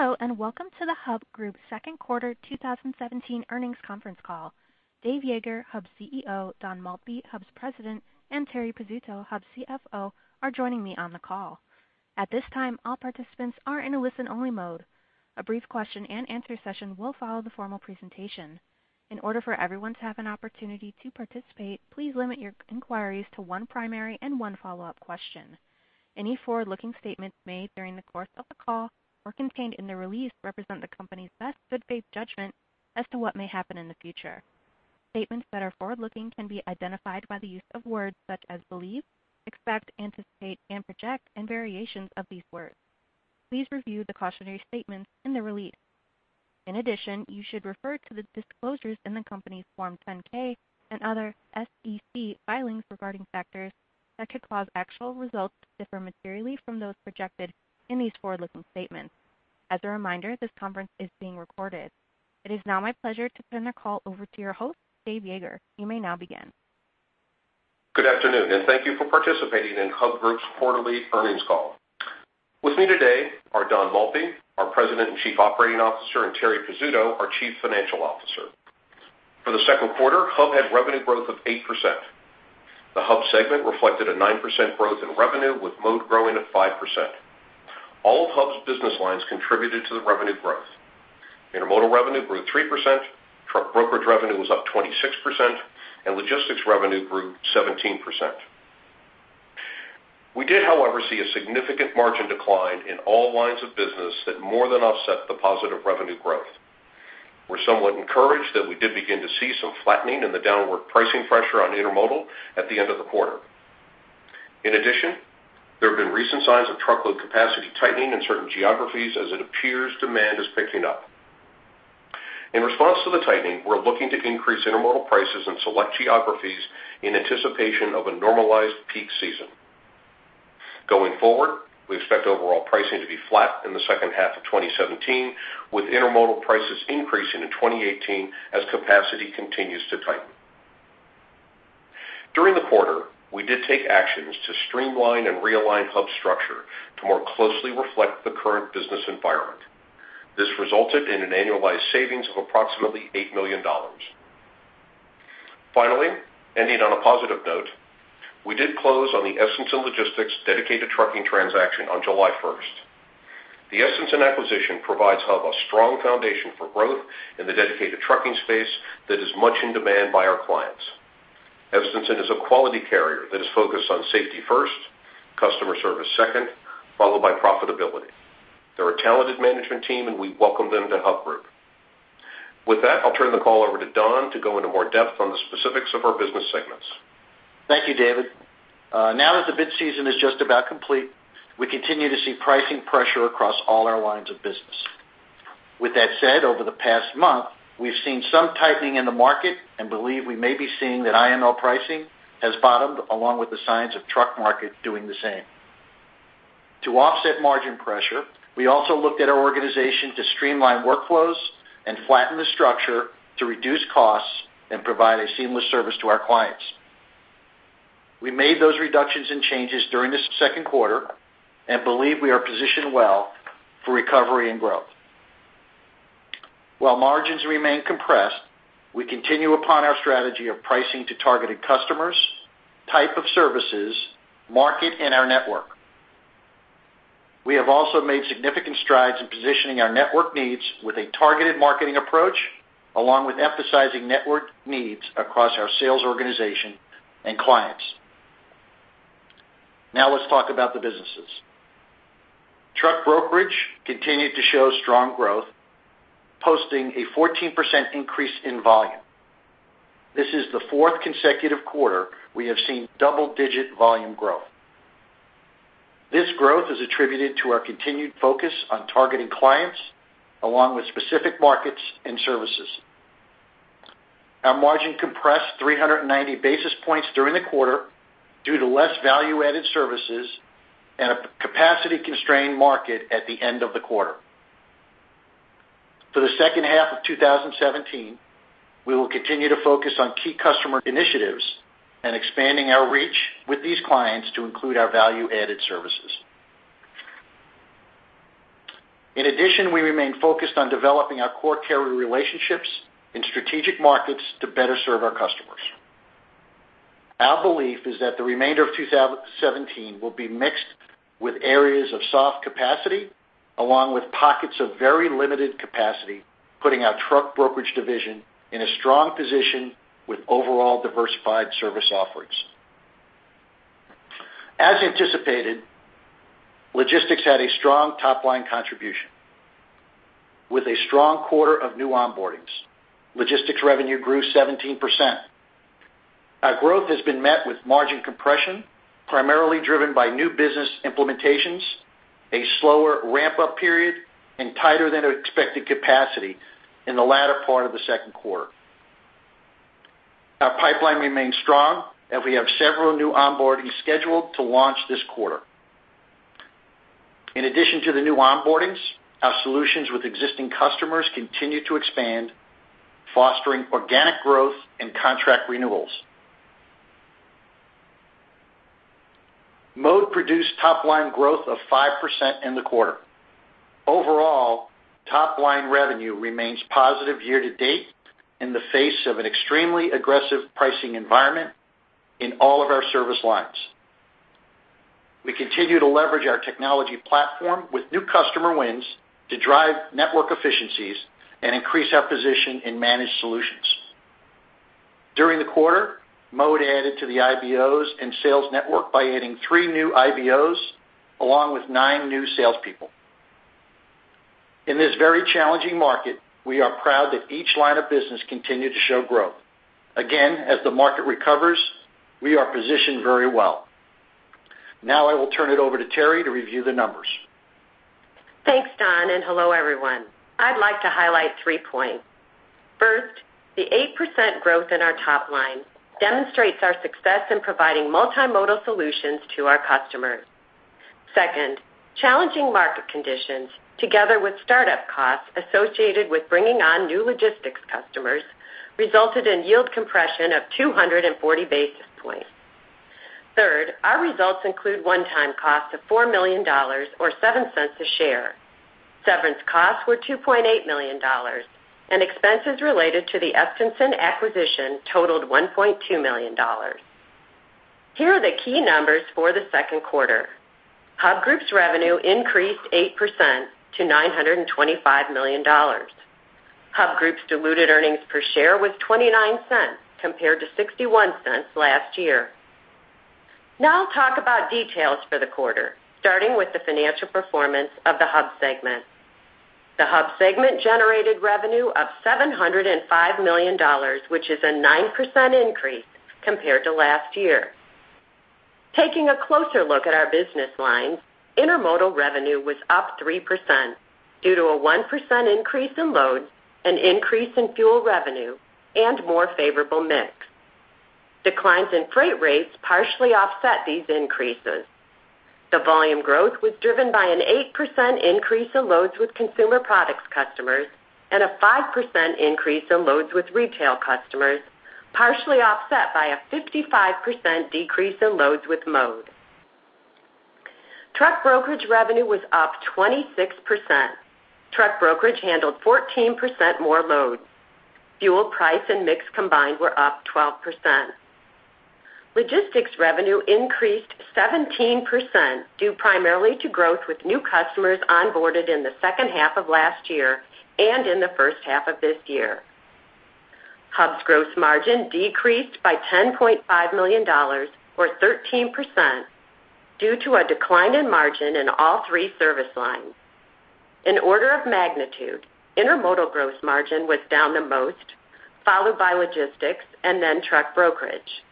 Hello, and welcome to the Hub Group Second Quarter 2017 Earnings Conference Call. Dave Yeager, Hub's CEO, Don Maltby, Hub's President, and Terri Pizzuto, Hub's CFO, are joining me on the call. At this time, all participants are in a listen-only mode. A brief question-and-answer session will follow the formal presentation. In order for everyone to have an opportunity to participate, please limit your inquiries to one primary and one follow-up question. Any forward-looking statements made during the course of the call or contained in the release represent the company's best good faith judgment as to what may happen in the future. Statements that are forward-looking can be identified by the use of words such as believe, expect, anticipate, and project, and variations of these words. Please review the cautionary statements in the release. In addition, you should refer to the disclosures in the company's Form 10-K and other SEC filings regarding factors that could cause actual results to differ materially from those projected in these forward-looking statements. As a reminder, this conference is being recorded. It is now my pleasure to turn the call over to your host, Dave Yeager. You may now begin. Good afternoon, and thank you for participating in Hub Group's quarterly earnings call. With me today are Don Maltby, our President and Chief Operating Officer, and Terri Pizzuto, our Chief Financial Officer. For the second quarter, Hub had revenue growth of 8%. The Hub segment reflected a 9% growth in revenue, with Mode growing at 5%. All of Hub's business lines contributed to the revenue growth. Intermodal revenue grew 3%, truck brokerage revenue was up 26%, and logistics revenue grew 17%. We did, however, see a significant margin decline in all lines of business that more than offset the positive revenue growth. We're somewhat encouraged that we did begin to see some flattening in the downward pricing pressure on intermodal at the end of the quarter. In addition, there have been recent signs of truckload capacity tightening in certain geographies as it appears demand is picking up. In response to the tightening, we're looking to increase intermodal prices in select geographies in anticipation of a normalized peak season. Going forward, we expect overall pricing to be flat in the second half of 2017, with intermodal prices increasing in 2018 as capacity continues to tighten. During the quarter, we did take actions to streamline and realign Hub's structure to more closely reflect the current business environment. This resulted in an annualized savings of approximately $8 million. Finally, ending on a positive note, we did close on the Estenson Logistics dedicated trucking transaction on July 1st. The Estenson acquisition provides Hub a strong foundation for growth in the dedicated trucking space that is much in demand by our clients. Estenson is a quality carrier that is focused on safety first, customer service second, followed by profitability. They're a talented management team, and we welcome them to Hub Group. With that, I'll turn the call over to Don to go into more depth on the specifics of our business segments. Thank you, David. Now that the bid season is just about complete, we continue to see pricing pressure across all our lines of business. With that said, over the past month, we've seen some tightening in the market and believe we may be seeing that intermodal pricing has bottomed, along with the signs of truck market doing the same. To offset margin pressure, we also looked at our organization to streamline workflows and flatten the structure to reduce costs and provide a seamless service to our clients. We made those reductions and changes during this second quarter and believe we are positioned well for recovery and growth. While margins remain compressed, we continue upon our strategy of pricing to targeted customers, type of services, market, and our network. We have also made significant strides in positioning our network needs with a targeted marketing approach, along with emphasizing network needs across our sales organization and clients. Now let's talk about the businesses. Truck brokerage continued to show strong growth, posting a 14% increase in volume. This is the fourth consecutive quarter we have seen double-digit volume growth. This growth is attributed to our continued focus on targeting clients, along with specific markets and services. Our margin compressed 390 basis points during the quarter due to less value-added services and a capacity-constrained market at the end of the quarter. For the second half of 2017, we will continue to focus on key customer initiatives and expanding our reach with these clients to include our value-added services. In addition, we remain focused on developing our core carrier relationships in strategic markets to better serve our customers. Our belief is that the remainder of 2017 will be mixed with areas of soft capacity, along with pockets of very limited capacity, putting our truck brokerage division in a strong position with overall diversified service offerings. As anticipated, logistics had a strong top-line contribution. With a strong quarter of new onboardings, logistics revenue grew 17%. Our growth has been met with margin compression, primarily driven by new business implementations, a slower ramp-up period, and tighter-than-expected capacity in the latter part of the second quarter. Our pipeline remains strong, and we have several new onboardings scheduled to launch this quarter. In addition to the new onboardings, our solutions with existing customers continue to expand, fostering organic growth and contract renewals.... Mode produced top-line growth of 5% in the quarter. Overall, top-line revenue remains positive year-to-date in the face of an extremely aggressive pricing environment in all of our service lines. We continue to leverage our technology platform with new customer wins to drive network efficiencies and increase our position in managed solutions. During the quarter, Mode added to the IBOs and sales network by adding 3 new IBOs, along with 9 new salespeople. In this very challenging market, we are proud that each line of business continued to show growth. Again, as the market recovers, we are positioned very well. Now I will turn it over to Terri to review the numbers. Thanks, Don, and hello, everyone. I'd like to highlight three points. First, the 8% growth in our top line demonstrates our success in providing multimodal solutions to our customers. Second, challenging market conditions, together with startup costs associated with bringing on new logistics customers, resulted in yield compression of 240 basis points. Third, our results include one-time costs of $4 million, or 7 cents a share. Severance costs were $2.8 million, and expenses related to the Estenson acquisition totaled $1.2 million. Here are the key numbers for the second quarter. Hub Group's revenue increased 8% to $925 million. Hub Group's diluted earnings per share was 29 cents, compared to 61 cents last year. Now I'll talk about details for the quarter, starting with the financial performance of the Hub segment. The Hub segment generated revenue of $705 million, which is a 9% increase compared to last year. Taking a closer look at our business lines, intermodal revenue was up 3% due to a 1% increase in loads, an increase in fuel revenue, and more favorable mix. Declines in freight rates partially offset these increases. The volume growth was driven by an 8% increase in loads with consumer products customers and a 5% increase in loads with retail customers, partially offset by a 55% decrease in loads with Mode. Truck brokerage revenue was up 26%. Truck brokerage handled 14% more loads. Fuel price and mix combined were up 12%. Logistics revenue increased 17%, due primarily to growth with new customers onboarded in the second half of last year and in the first half of this year. Hub's gross margin decreased by $10.5 million, or 13%, due to a decline in margin in all three service lines. In order of magnitude, intermodal gross margin was down the most, followed by logistics, and then truck brokerage.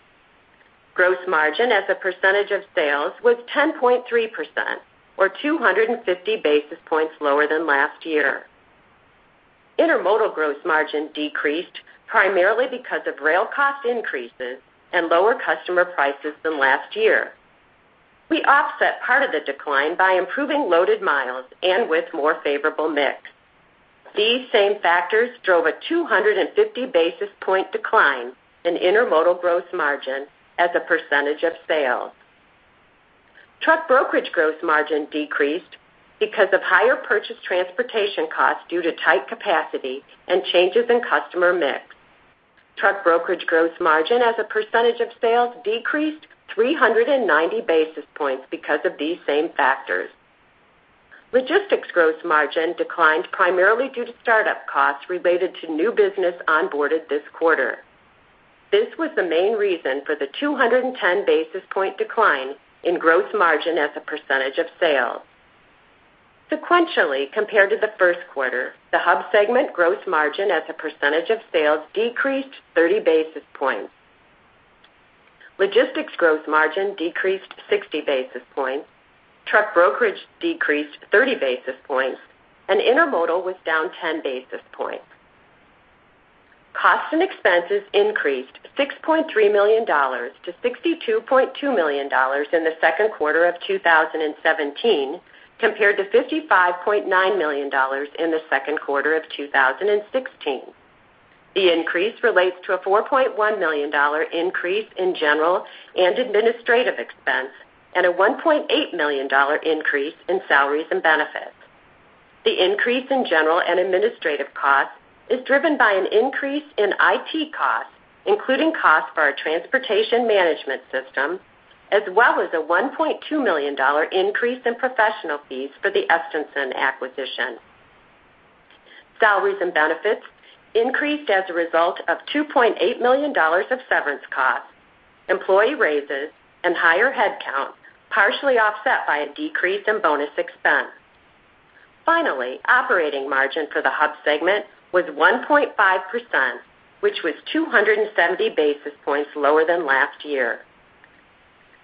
Gross margin as a percentage of sales was 10.3%, or 250 basis points lower than last year. Intermodal gross margin decreased primarily because of rail cost increases and lower customer prices than last year. We offset part of the decline by improving loaded miles and with more favorable mix. These same factors drove a 250 basis point decline in intermodal gross margin as a percentage of sales. Truck brokerage gross margin decreased because of higher purchased transportation costs due to tight capacity and changes in customer mix. Truck brokerage gross margin as a percentage of sales decreased 390 basis points because of these same factors. Logistics gross margin declined primarily due to startup costs related to new business onboarded this quarter. This was the main reason for the 210 basis point decline in gross margin as a percentage of sales. Sequentially, compared to the first quarter, the Hub segment gross margin as a percentage of sales decreased 30 basis points. Logistics gross margin decreased 60 basis points, truck brokerage decreased 30 basis points, and intermodal was down 10 basis points. Costs and expenses increased $6.3 million to $62.2 million in the second quarter of 2017, compared to $55.9 million in the second quarter of 2016. The increase relates to a $4.1 million increase in general and administrative expense, and a $1.8 million increase in salaries and benefits. The increase in general and administrative costs is driven by an increase in IT costs, including costs for our transportation management system, as well as a $1.2 million increase in professional fees for the Estenson acquisition. Salaries and benefits increased as a result of $2.8 million of severance costs, employee raises, and higher headcount, partially offset by a decrease in bonus expense. Finally, operating margin for the Hub segment was 1.5%, which was 270 basis points lower than last year.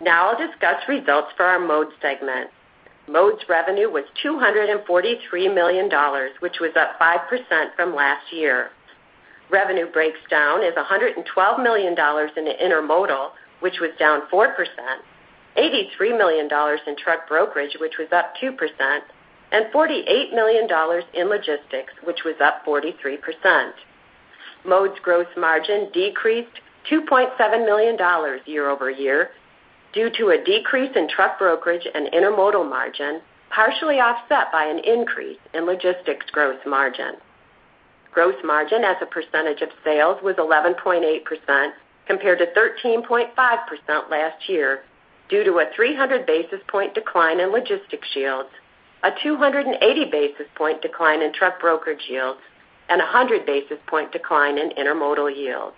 Now I'll discuss results for our Mode segment. Mode's revenue was $243 million, which was up 5% from last year. Revenue breaks down as $112 million in the intermodal, which was down 4%, $83 million in truck brokerage, which was up 2%, and $48 million in logistics, which was up 43%. Mode's gross margin decreased $2.7 million year-over-year, due to a decrease in truck brokerage and intermodal margin, partially offset by an increase in logistics gross margin. Gross margin as a percentage of sales was 11.8%, compared to 13.5% last year, due to a 300 basis point decline in logistics yields, a 280 basis point decline in truck brokerage yields, and a 100 basis point decline in intermodal yields.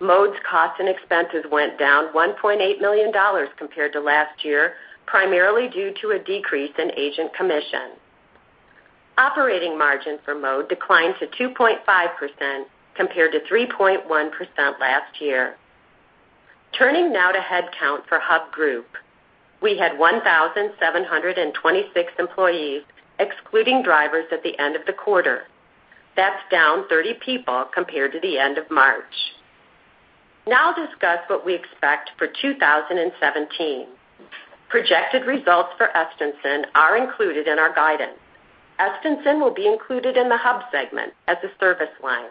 Mode's costs and expenses went down $1.8 million compared to last year, primarily due to a decrease in agent commission. Operating margin for Mode declined to 2.5%, compared to 3.1% last year. Turning now to headcount for Hub Group. We had 1,726 employees, excluding drivers, at the end of the quarter. That's down 30 people compared to the end of March. Now I'll discuss what we expect for 2017. Projected results for Estenson are included in our guidance. Estenson will be included in the Hub segment as a service line.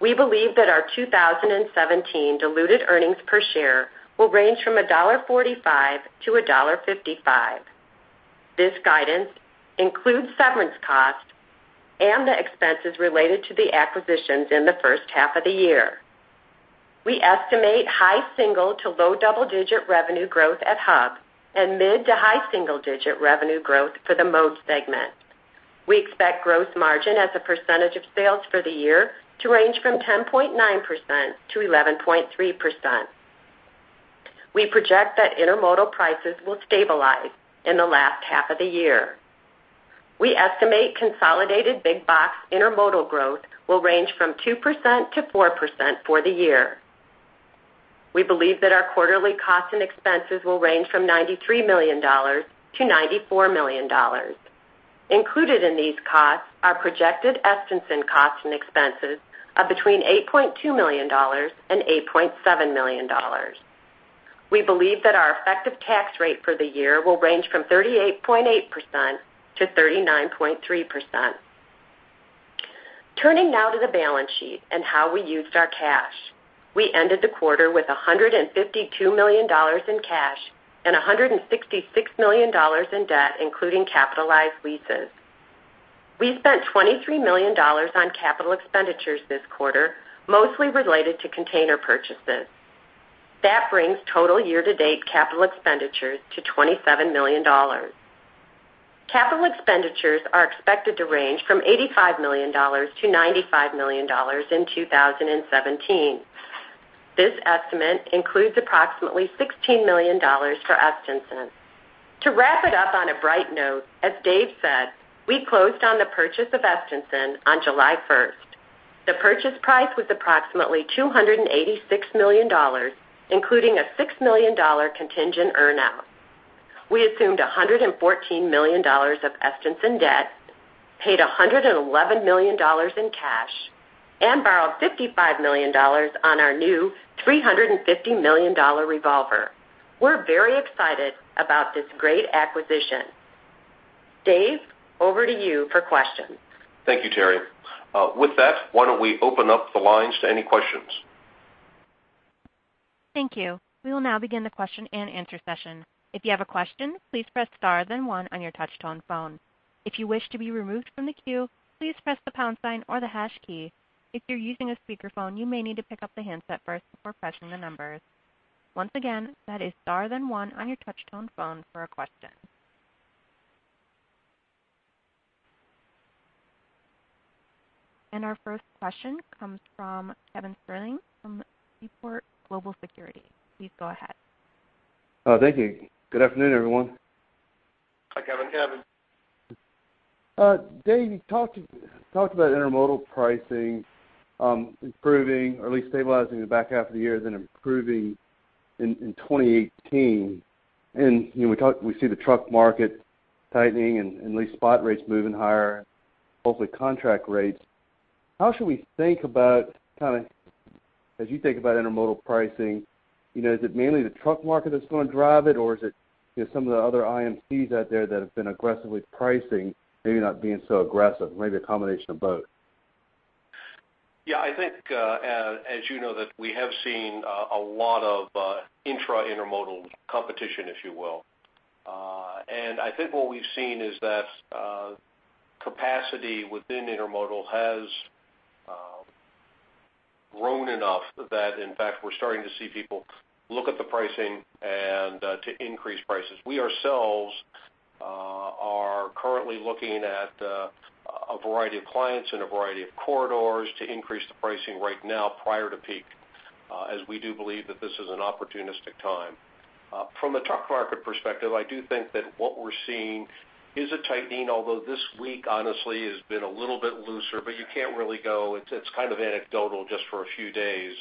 We believe that our 2017 diluted earnings per share will range from $1.45 to $1.55. This guidance includes severance costs and the expenses related to the acquisitions in the first half of the year. We estimate high single to low double-digit revenue growth at Hub and mid to high single-digit revenue growth for the Mode segment. We expect gross margin as a percentage of sales for the year to range from 10.9%-11.3%. We project that intermodal prices will stabilize in the last half of the year. We estimate consolidated big-box intermodal growth will range from 2%-4% for the year. We believe that our quarterly costs and expenses will range from $93 million-$94 million. Included in these costs are projected Estenson costs and expenses of between $8.2 million and $8.7 million. We believe that our effective tax rate for the year will range from 38.8%-39.3%. Turning now to the balance sheet and how we used our cash. We ended the quarter with $152 million in cash and $166 million in debt, including capitalized leases. We spent $23 million on capital expenditures this quarter, mostly related to container purchases. That brings total year-to-date capital expenditures to $27 million. Capital expenditures are expected to range from $85 million to $95 million in 2017. This estimate includes approximately $16 million for Estenson. To wrap it up on a bright note, as Dave said, we closed on the purchase of Estenson on July first. The purchase price was approximately $286 million, including a $6 million contingent earn-out. We assumed $114 million of Estenson debt, paid $111 million in cash, and borrowed $55 million on our new $350 million revolver. We're very excited about this great acquisition. Dave, over to you for questions. Thank you, Terri. With that, why don't we open up the lines to any questions? Thank you. We will now begin the question-and-answer session. If you have a question, please press star, then one on your touchtone phone. If you wish to be removed from the queue, please press the pound sign or the hash key. If you're using a speakerphone, you may need to pick up the handset first before pressing the numbers. Once again, that is star, then one on your touchtone phone for a question. Our first question comes from Kevin Sterling from Seaport Global Securities. Please go ahead. Oh, thank you. Good afternoon, everyone. Hi, Kevin. Kevin. Dave, you talked about intermodal pricing improving or at least stabilizing in the back half of the year, then improving in 2018. You know, we see the truck market tightening and like spot rates moving higher, hopefully contract rates. How should we think about, kind of, as you think about intermodal pricing, you know, is it mainly the truck market that's going to drive it, or is it, you know, some of the other IMCs out there that have been aggressively pricing, maybe not being so aggressive, maybe a combination of both? Yeah, I think, as you know, that we have seen a lot of intra-intermodal competition, if you will. And I think what we've seen is that capacity within intermodal has grown enough that, in fact, we're starting to see people look at the pricing and to increase prices. We ourselves are currently looking at a variety of clients in a variety of corridors to increase the pricing right now prior to peak, as we do believe that this is an opportunistic time. From a truck market perspective, I do think that what we're seeing is a tightening, although this week, honestly, has been a little bit looser, but you can't really go. It's kind of anecdotal just for a few days.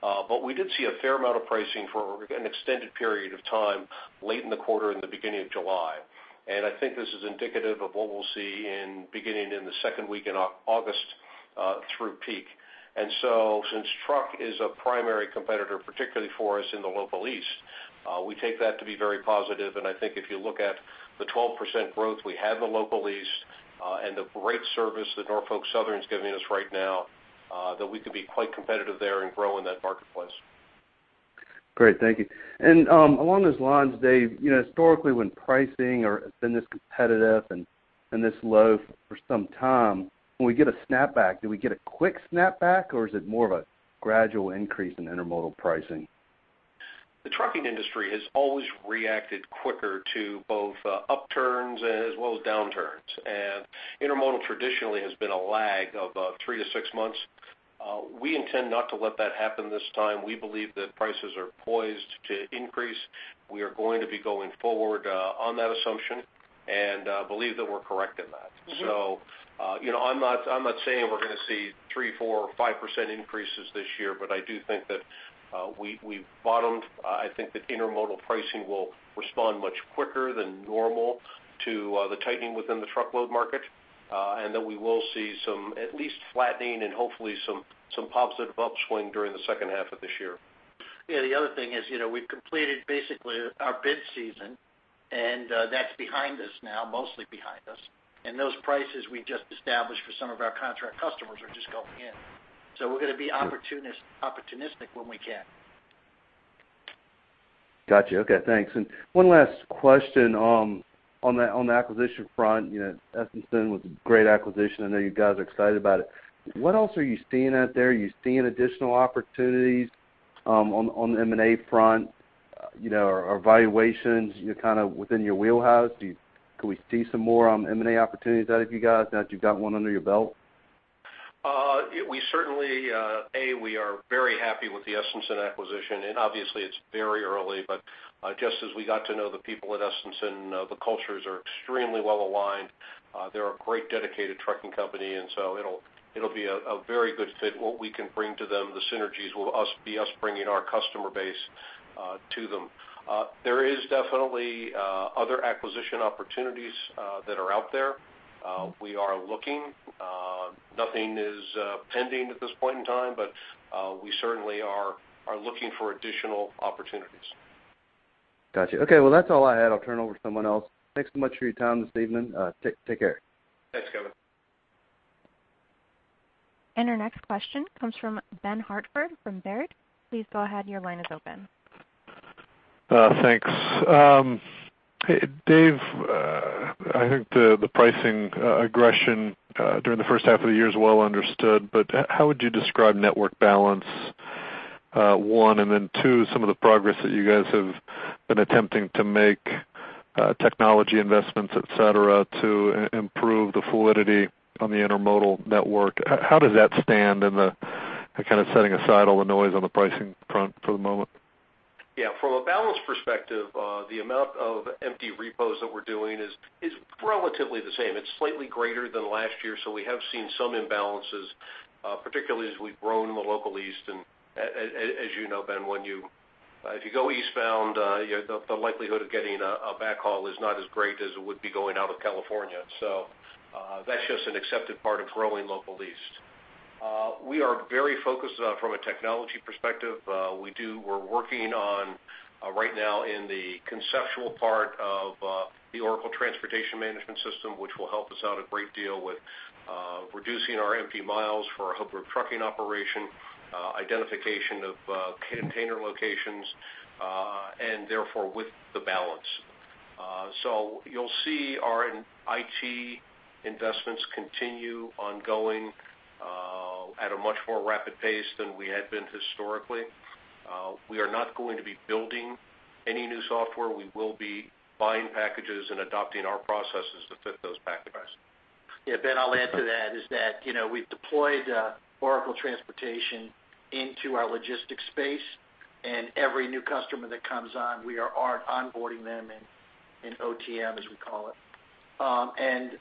But we did see a fair amount of pricing for an extended period of time late in the quarter and the beginning of July. And I think this is indicative of what we'll see in the second week in August through peak. And so since truck is a primary competitor, particularly for us in the Local East, we take that to be very positive. And I think if you look at the 12% growth we had in the Local East, and the great service that Norfolk Southern is giving us right now, that we can be quite competitive there and grow in that marketplace. Great, thank you. Along those lines, Dave, you know, historically, when pricing has been this competitive and this low for some time, when we get a snapback, do we get a quick snapback, or is it more of a gradual increase in intermodal pricing? The trucking industry has always reacted quicker to both upturns as well as downturns, and intermodal traditionally has been a lag of three to six months. We intend not to let that happen this time. We believe that prices are poised to increase. We are going to be going forward on that assumption, and believe that we're correct in that. Mm-hmm. So, you know, I'm not, I'm not saying we're going to see 3, 4 or 5% increases this year, but I do think that, we, we've bottomed. I think that intermodal pricing will respond much quicker than normal to, the tightening within the truckload market, and that we will see some at least flattening and hopefully some, some positive upswing during the second half of this year. Yeah, the other thing is, you know, we've completed basically our bid season, and that's behind us now, mostly behind us. And those prices we just established for some of our contract customers are just going in. So we're going to be opportunistic when we can. Got you. Okay, thanks. And one last question on the acquisition front, you know, Estenson was a great acquisition. I know you guys are excited about it. What else are you seeing out there? Are you seeing additional opportunities on the M&A front, you know, are valuations, you know, kind of within your wheelhouse? Do you- can we see some more on M&A opportunities out of you guys, now that you've got one under your belt? We certainly, we are very happy with the Estenson acquisition, and obviously it's very early, but just as we got to know the people at Estenson, the cultures are extremely well aligned. They're a great dedicated trucking company, and so it'll be a very good fit. What we can bring to them, the synergies will be us bringing our customer base to them. There is definitely other acquisition opportunities that are out there. We are looking, nothing is pending at this point in time, but we certainly are looking for additional opportunities. Got you. Okay, well, that's all I had. I'll turn it over to someone else. Thanks so much for your time this evening. Take care. Thanks, Kevin. Our next question comes from Ben Hartford from Baird. Please go ahead. Your line is open. Thanks. Dave, I think the pricing aggression during the first half of the year is well understood, but how would you describe network balance, one, and then two, some of the progress that you guys have been attempting to make, technology investments, et cetera, to improve the fluidity on the intermodal network? How does that stand in the kind of setting aside all the noise on the pricing front for the moment? Yeah, from a balance perspective, the amount of empty repos that we're doing is relatively the same. It's slightly greater than last year, so we have seen some imbalances, particularly as we've grown in the Local East. And as you know, Ben, when you if you go eastbound, the likelihood of getting a backhaul is not as great as it would be going out of California. So, that's just an accepted part of growing Local East. We are very focused, from a technology perspective. We're working on right now in the conceptual part of the Oracle Transportation Management System, which will help us out a great deal with reducing our empty miles for our Hub Group Trucking operation, identification of container locations, and therefore with the balance. You'll see our IT investments continue ongoing, at a much more rapid pace than we had been historically. We are not going to be building any new software. We will be buying packages and adopting our processes to fit those packages. Yeah, Ben, I'll add to that is that, you know, we've deployed Oracle Transportation into our logistics space, and every new customer that comes on, we are onboarding them in, in OTM, as we call it. And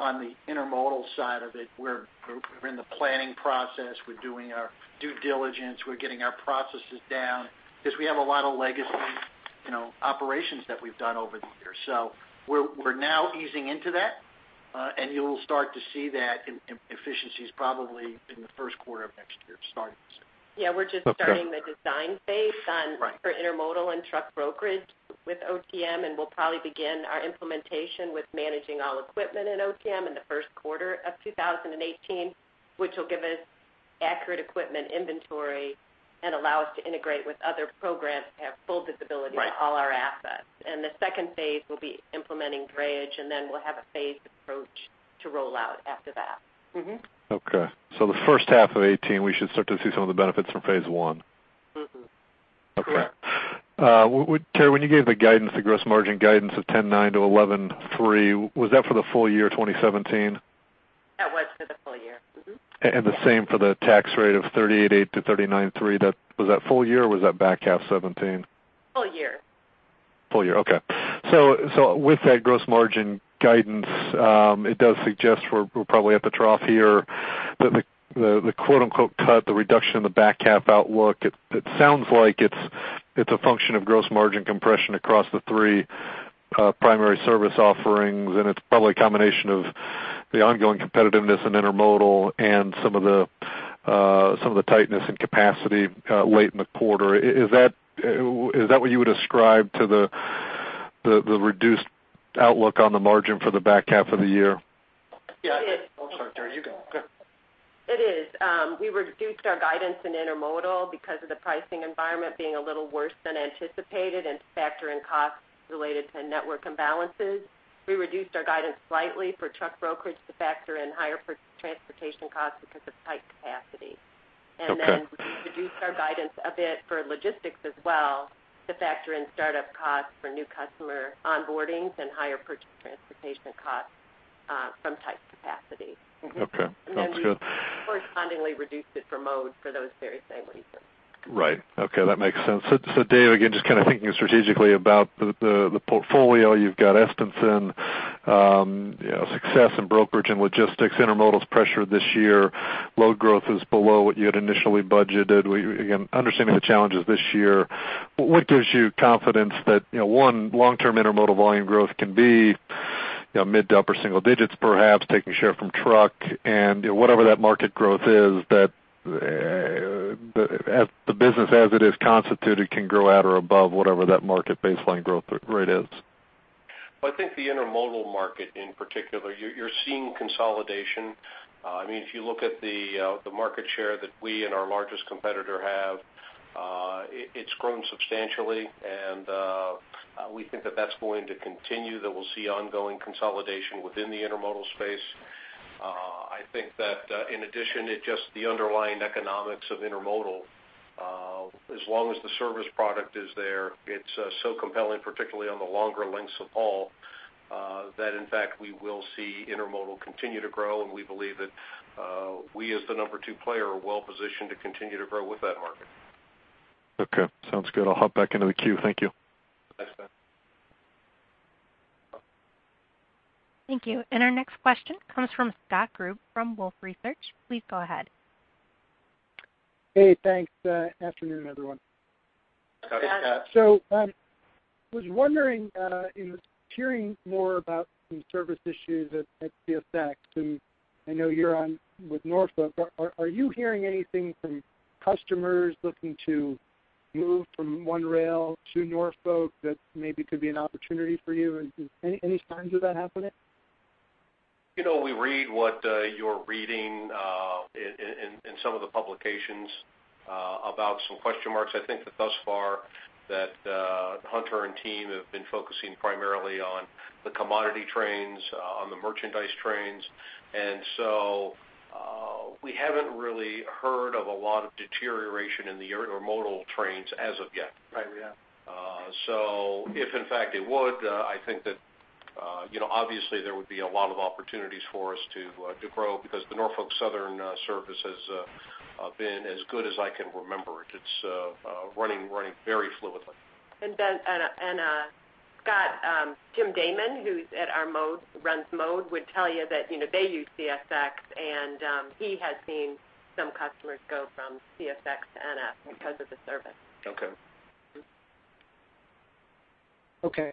on the intermodal side of it, we're in the planning process. We're doing our due diligence, we're getting our processes down because we have a lot of legacy, you know, operations that we've done over the years. So we're now easing into that, and you'll start to see that in efficiencies probably in the first quarter of next year, starting to see. Okay. Yeah, we're just starting the design phase on- Right for intermodal and truck brokerage with OTM, and we'll probably begin our implementation with managing all equipment in OTM in the first quarter of 2018, which will give us accurate equipment inventory and allow us to integrate with other programs and have full visibility. Right - to all our assets. And the second phase will be implementing drayage, and then we'll have a phased approach to roll out after that. Mm-hmm. Okay, so the first half of 2018, we should start to see some of the benefits from phase one? Mm-hmm. Okay. Terri, when you gave the guidance, gross margin guidance of 10.9%-11.3%, was that for the full year 2017? That was for the full year. Mm-hmm. The same for the tax rate of 38.8%-39.3%, that, was that full year or was that back half 2017? Full year. Full year. Okay. So, so with that gross margin guidance, it does suggest we're, we're probably at the trough here, that the, the quote-unquote, cut, the reduction in the back half outlook, it, it sounds like it's, it's a function of gross margin compression across the three primary service offerings, and it's probably a combination of the ongoing competitiveness in intermodal and some of the, some of the tightness and capacity late in the quarter. Is that, is that what you would ascribe to the, the, the reduced outlook on the margin for the back half of the year? Yeah. Oh, sorry. There you go. It is. We reduced our guidance in intermodal because of the pricing environment being a little worse than anticipated and to factor in costs related to network imbalances. We reduced our guidance slightly for truck brokerage to factor in higher purchase transportation costs because of tight capacity. Okay. And then we reduced our guidance a bit for logistics as well to factor in start-up costs for new customer onboardings and higher purchase transportation costs from tight capacity. Okay, sounds good. We correspondingly reduced it for Mode for those very same reasons. Right. Okay, that makes sense. So, so Dave, again, just kind of thinking strategically about the portfolio. You've got Estenson, you know, success in brokerage and logistics, intermodal is pressured this year. Load growth is below what you had initially budgeted. Again, understanding the challenges this year, what gives you confidence that, you know, one, long-term intermodal volume growth can be, you know, mid to upper single digits, perhaps taking share from truck? And, whatever that market growth is, that, as the business as it is constituted, can grow at or above whatever that market baseline growth rate is. Well, I think the intermodal market in particular, you're seeing consolidation. I mean, if you look at the market share that we and our largest competitor have, it's grown substantially, and we think that that's going to continue, that we'll see ongoing consolidation within the intermodal space. I think that, in addition, it's just the underlying economics of intermodal. As long as the service product is there, it's so compelling, particularly on the longer lengths of haul, that in fact, we will see intermodal continue to grow, and we believe that, we, as the number two player, are well positioned to continue to grow with that market. Okay, sounds good. I'll hop back into the queue. Thank you. Thanks, Ben. Thank you. Our next question comes from Scott Group from Wolfe Research. Please go ahead. Hey, thanks, afternoon, everyone. Hi, Scott. So, was wondering, in hearing more about some service issues at CSX, and I know you're on with Norfolk, but are you hearing anything from customers looking to move from one rail to Norfolk that maybe could be an opportunity for you? And any signs of that happening? You know, we read what you're reading in some of the publications about some question marks. I think that thus far, that Hunter and team have been focusing primarily on the commodity trains on the merchandise trains, and so, we haven't really heard of a lot of deterioration in the intermodal trains as of yet. Right. Yeah. So, if in fact it would, I think that, you know, obviously there would be a lot of opportunities for us to grow because the Norfolk Southern service has been as good as I can remember it. It's running very fluidly. Ben and Scott, Jim Damman, who's at our Mode, runs Mode, would tell you that, you know, they use CSX, and he has seen some customers go from CSX to NS because of the service. Okay. Okay.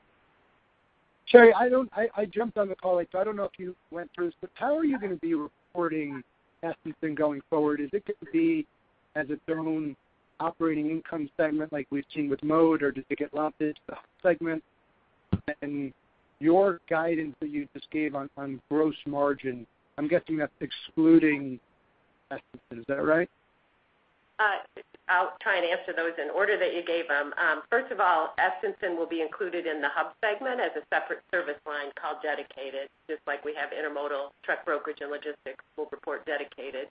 Terri, I jumped on the call, so I don't know if you went through this, but how are you going to be reporting Estenson going forward? Is it going to be as its own operating income segment, like we've seen with Mode, or does it get lumped into the Hub segment? And your guidance that you just gave on gross margin, I'm guessing that's excluding Estenson, is that right? I'll try and answer those in order that you gave them. First of all, Estenson will be included in the Hub segment as a separate service line called Dedicated, just like we have intermodal, truck brokerage, and logistics, we'll report Dedicated.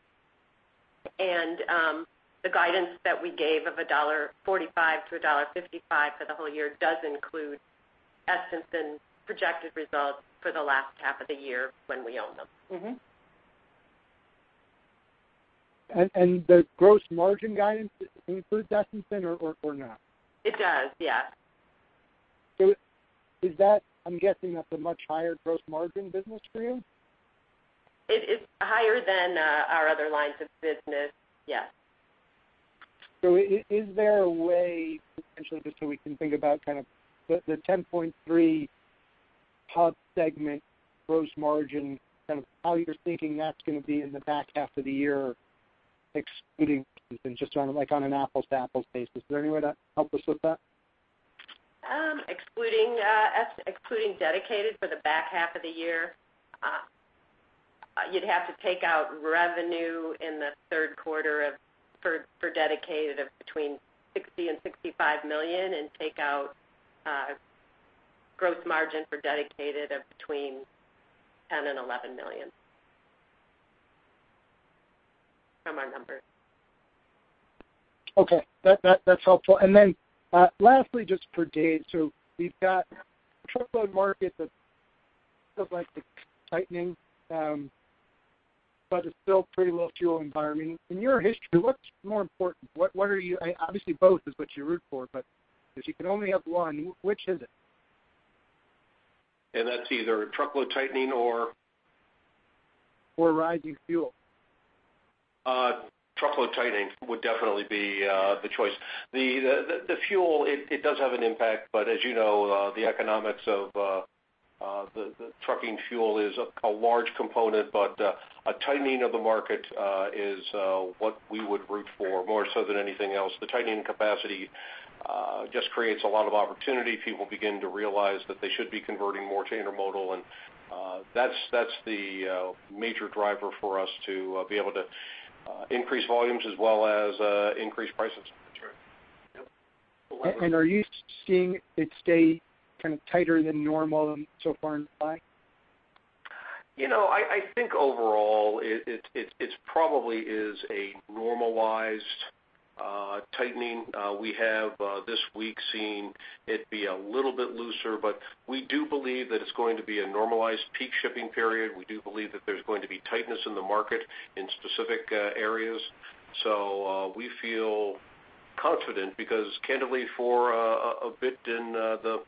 The guidance that we gave of $1.45-$1.55 for the whole year does include Estenson projected results for the last half of the year when we own them. The gross margin guidance includes Estenson or not? It does, yes. So is that, I'm guessing, that's a much higher gross margin business for you? It is higher than our other lines of business, yes. So is there a way, potentially, just so we can think about kind of the 10.3 Hub segment gross margin, kind of how you're thinking that's going to be in the back half of the year, excluding, just on a like on an apples-to-apples basis? Is there any way to help us with that? Excluding Dedicated for the back half of the year, you'd have to take out revenue in the third quarter for Dedicated of between $60 million and $65 million and take out gross margin for Dedicated of between $10 million and $11 million from our numbers. Okay. That's helpful. And then, lastly, just for Dave. So we've got truckload market that looks like it's tightening, but it's still pretty low fuel environment. In your history, what's more important? What are you - obviously, both is what you root for, but if you can only have one, which is it? That's either truckload tightening or?... or rising fuel? Truckload tightening would definitely be the choice. The fuel, it does have an impact, but as you know, the economics of the trucking fuel is a large component, but a tightening of the market is what we would root for, more so than anything else. The tightening capacity just creates a lot of opportunity. People begin to realize that they should be converting more to intermodal, and that's the major driver for us to be able to increase volumes as well as increase prices. That's right. Yep. Are you seeing it stay kind of tighter than normal so far in supply? You know, I think overall, it's probably a normalized tightening. We have this week seen it be a little bit looser, but we do believe that it's going to be a normalized peak shipping period. We do believe that there's going to be tightness in the market in specific areas. So, we feel confident because candidly, for a bit in the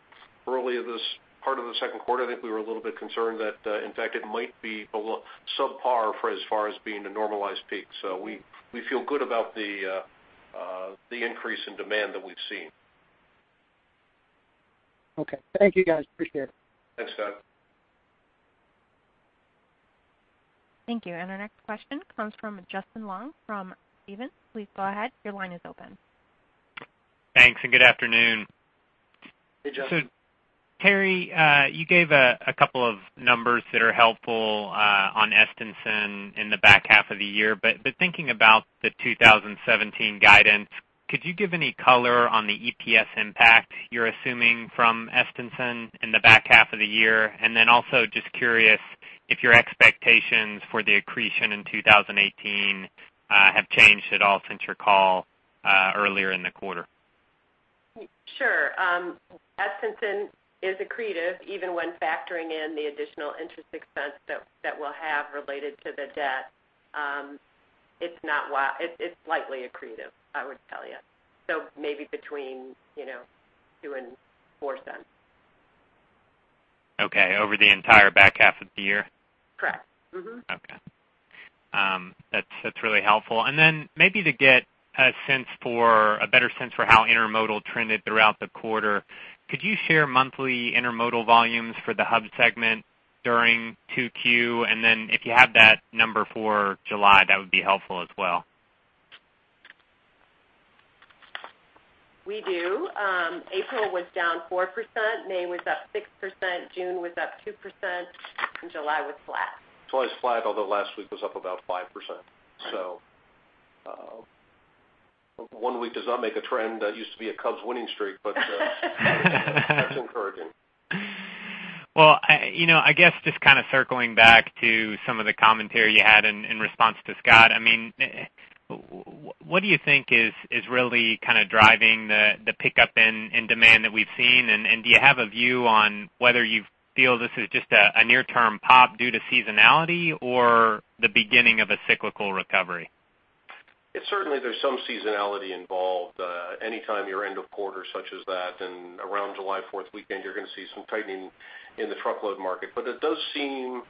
early of this part of the second quarter, I think we were a little bit concerned that, in fact, it might be a little subpar for as far as being a normalized peak. So we feel good about the increase in demand that we've seen. Okay. Thank you, guys. Appreciate it. Thanks, Scott. Thank you. Our next question comes from Justin Long, from Stephens. Please go ahead. Your line is open. Thanks, and good afternoon. Hey, Justin. So, Terri, you gave a couple of numbers that are helpful on Estenson in the back half of the year. But thinking about the 2017 guidance, could you give any color on the EPS impact you're assuming from Estenson in the back half of the year? And then also just curious if your expectations for the accretion in 2018 have changed at all since your call earlier in the quarter. Sure. Estenson is accretive, even when factoring in the additional interest expense that we'll have related to the debt. It's slightly accretive, I would tell you. So maybe between, you know, $0.02 and $0.04. Okay, over the entire back half of the year? Correct. Mm-hmm. Okay. That's, that's really helpful. And then maybe to get a sense for... a better sense for how intermodal trended throughout the quarter, could you share monthly intermodal volumes for the Hub segment during 2Q? And then if you have that number for July, that would be helpful as well. We do. April was down 4%, May was up 6%, June was up 2%, and July was flat. July is flat, although last week was up about 5%. Right. So, one week does not make a trend. That used to be a Cubs winning streak, but, that's encouraging. Well, you know, I guess just kind of circling back to some of the commentary you had in response to Scott. I mean, what do you think is really kind of driving the pickup in demand that we've seen? And do you have a view on whether you feel this is just a near-term pop due to seasonality or the beginning of a cyclical recovery? Certainly, there's some seasonality involved. Anytime you're end of quarter such as that, and around July Fourth weekend, you're going to see some tightening in the truckload market. But it does seem,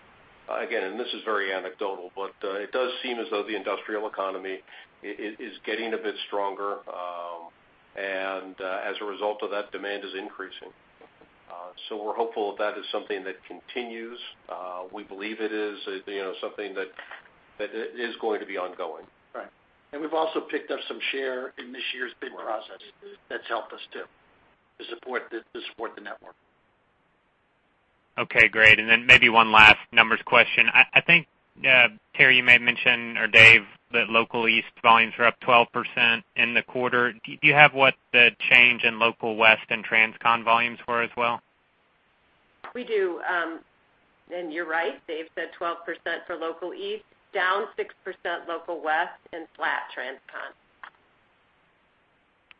again, and this is very anecdotal, but it does seem as though the industrial economy is getting a bit stronger, and as a result of that, demand is increasing. So we're hopeful that is something that continues. We believe it is, you know, something that is going to be ongoing. Right. And we've also picked up some share in this year's bid process. That's helped us too, to support the, to support the network. Okay, great. Then maybe one last numbers question. I think, Terri, you may have mentioned, or Dave, that Local East volumes are up 12% in the quarter. Do you have what the change in Local West and Transcon volumes were as well? We do. You're right, Dave said 12% for Local East, down 6% Local West, and flat Transcon.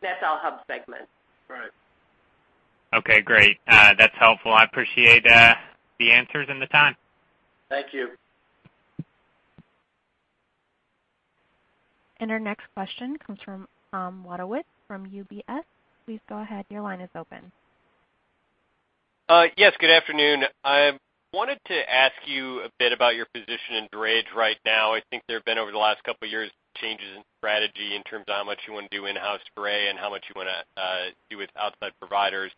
That's all Hub segments. Right. Okay, great. That's helpful. I appreciate the answers and the time. Thank you. Our next question comes from Wadewitz from UBS. Please go ahead, your line is open. Yes, good afternoon. I wanted to ask you a bit about your position in drayage right now. I think there have been, over the last couple of years, changes in strategy in terms of how much you want to do in-house drayage and how much you want to do with outside providers.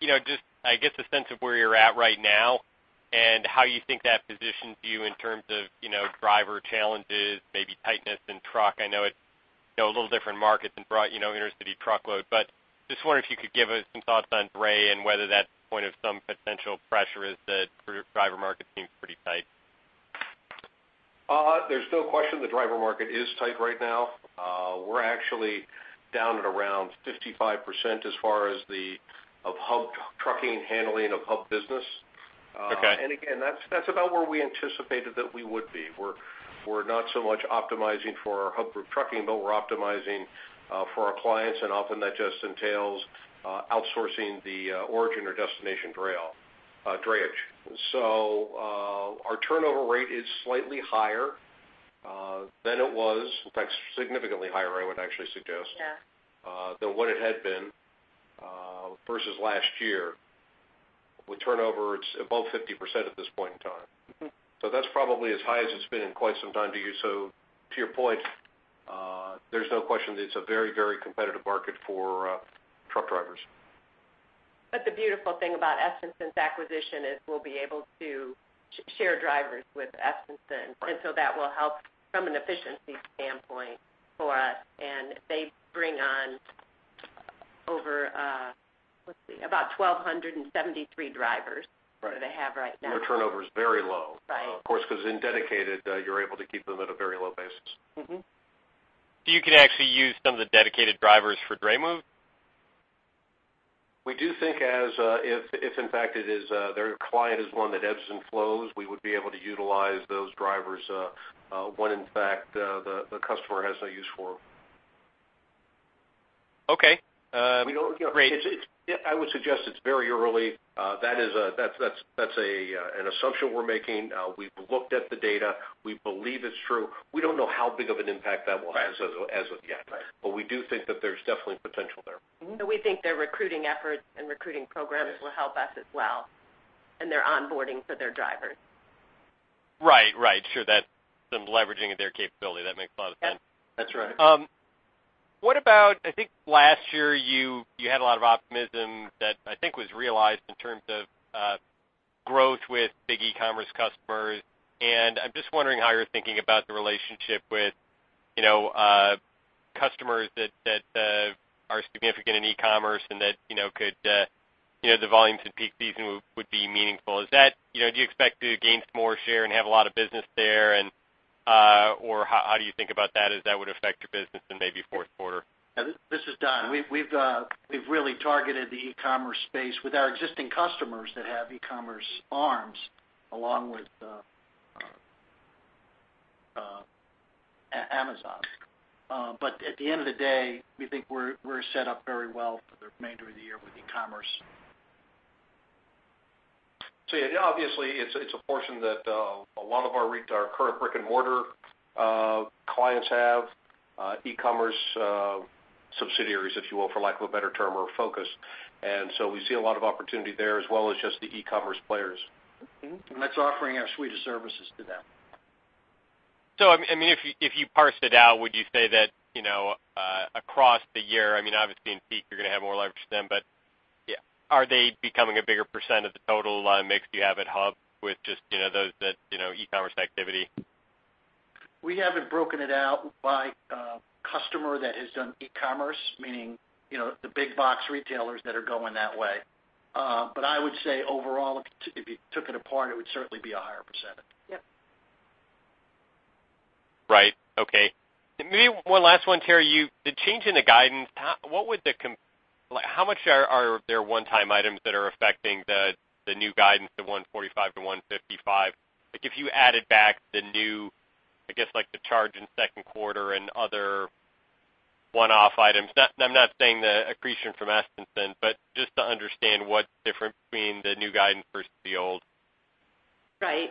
You know, just, I guess, the sense of where you're at right now and how you think that positions you in terms of, you know, driver challenges, maybe tightness in truck. I know it's, you know, a little different market than right, you know, intercity truckload. But just wondering if you could give us some thoughts on drayage and whether that's point of some potential pressure as the driver market seems pretty tight. There's no question the driver market is tight right now. We're actually down at around 55% as far as of Hub Trucking handling of Hub business. Okay. And again, that's about where we anticipated that we would be. We're not so much optimizing for our Hub Group Trucking, but we're optimizing for our clients, and often that just entails outsourcing the origin or destination drayage. So, our turnover rate is slightly higher than it was. In fact, significantly higher, I would actually suggest- Yeah... than what it had been.... versus last year, with turnover, it's above 50% at this point in time. So that's probably as high as it's been in quite some time to you. So to your point, there's no question that it's a very, very competitive market for, truck drivers. But the beautiful thing about Estenson's acquisition is we'll be able to share drivers with Estenson. Right. And so that will help from an efficiency standpoint for us. And they bring on over, let's see, about 1,273 drivers- Right that they have right now. Their turnover is very low. Right. Of course, because in dedicated, you're able to keep them at a very low basis. Mm-hmm. You can actually use some of the dedicated drivers for dray moves? We do think as if in fact it is their client is one that ebbs and flows, we would be able to utilize those drivers when in fact the customer has no use for them. Okay, great. I would suggest it's very early. That's an assumption we're making. We've looked at the data. We believe it's true. We don't know how big of an impact that will have as of yet. Right. But we do think that there's definitely potential there. Mm-hmm. But we think their recruiting efforts and recruiting programs will help us as well, and their onboarding for their drivers. Right. Right. Sure. That's some leveraging of their capability. That makes a lot of sense. That's right. What about, I think last year, you had a lot of optimism that I think was realized in terms of growth with big e-commerce customers. And I'm just wondering how you're thinking about the relationship with, you know, customers that are significant in e-commerce and that, you know, could, you know, the volumes in peak season would be meaningful. Is that... You know, do you expect to gain more share and have a lot of business there? And, or how do you think about that, as that would affect your business in maybe fourth quarter? Yeah, this is Don. We've really targeted the e-commerce space with our existing customers that have e-commerce arms, along with Amazon. But at the end of the day, we think we're set up very well for the remainder of the year with e-commerce. So yeah, obviously, it's a portion that a lot of our current brick-and-mortar clients have e-commerce subsidiaries, if you will, for lack of a better term, or focus. And so we see a lot of opportunity there, as well as just the e-commerce players. Mm-hmm. That's offering our suite of services to them. So I mean, if you parsed it out, would you say that, you know, across the year, I mean, obviously, in peak, you're going to have more leverage to them, but, yeah, are they becoming a bigger percent of the total mix you have at Hub with just, you know, those that, you know, e-commerce activity? We haven't broken it out by customer that has done e-commerce, meaning, you know, the big box retailers that are going that way. But I would say overall, if you took it apart, it would certainly be a higher percentage. Yep. Right. Okay. Maybe one last one, Terri. The change in the guidance, how much are there one-time items that are affecting the new guidance, the $1.45-$1.55? Like, if you added back the new, I guess, like, the charge in second quarter and other one-off items. I'm not saying the accretion from Estenson, but just to understand what's different between the new guidance versus the old. Right.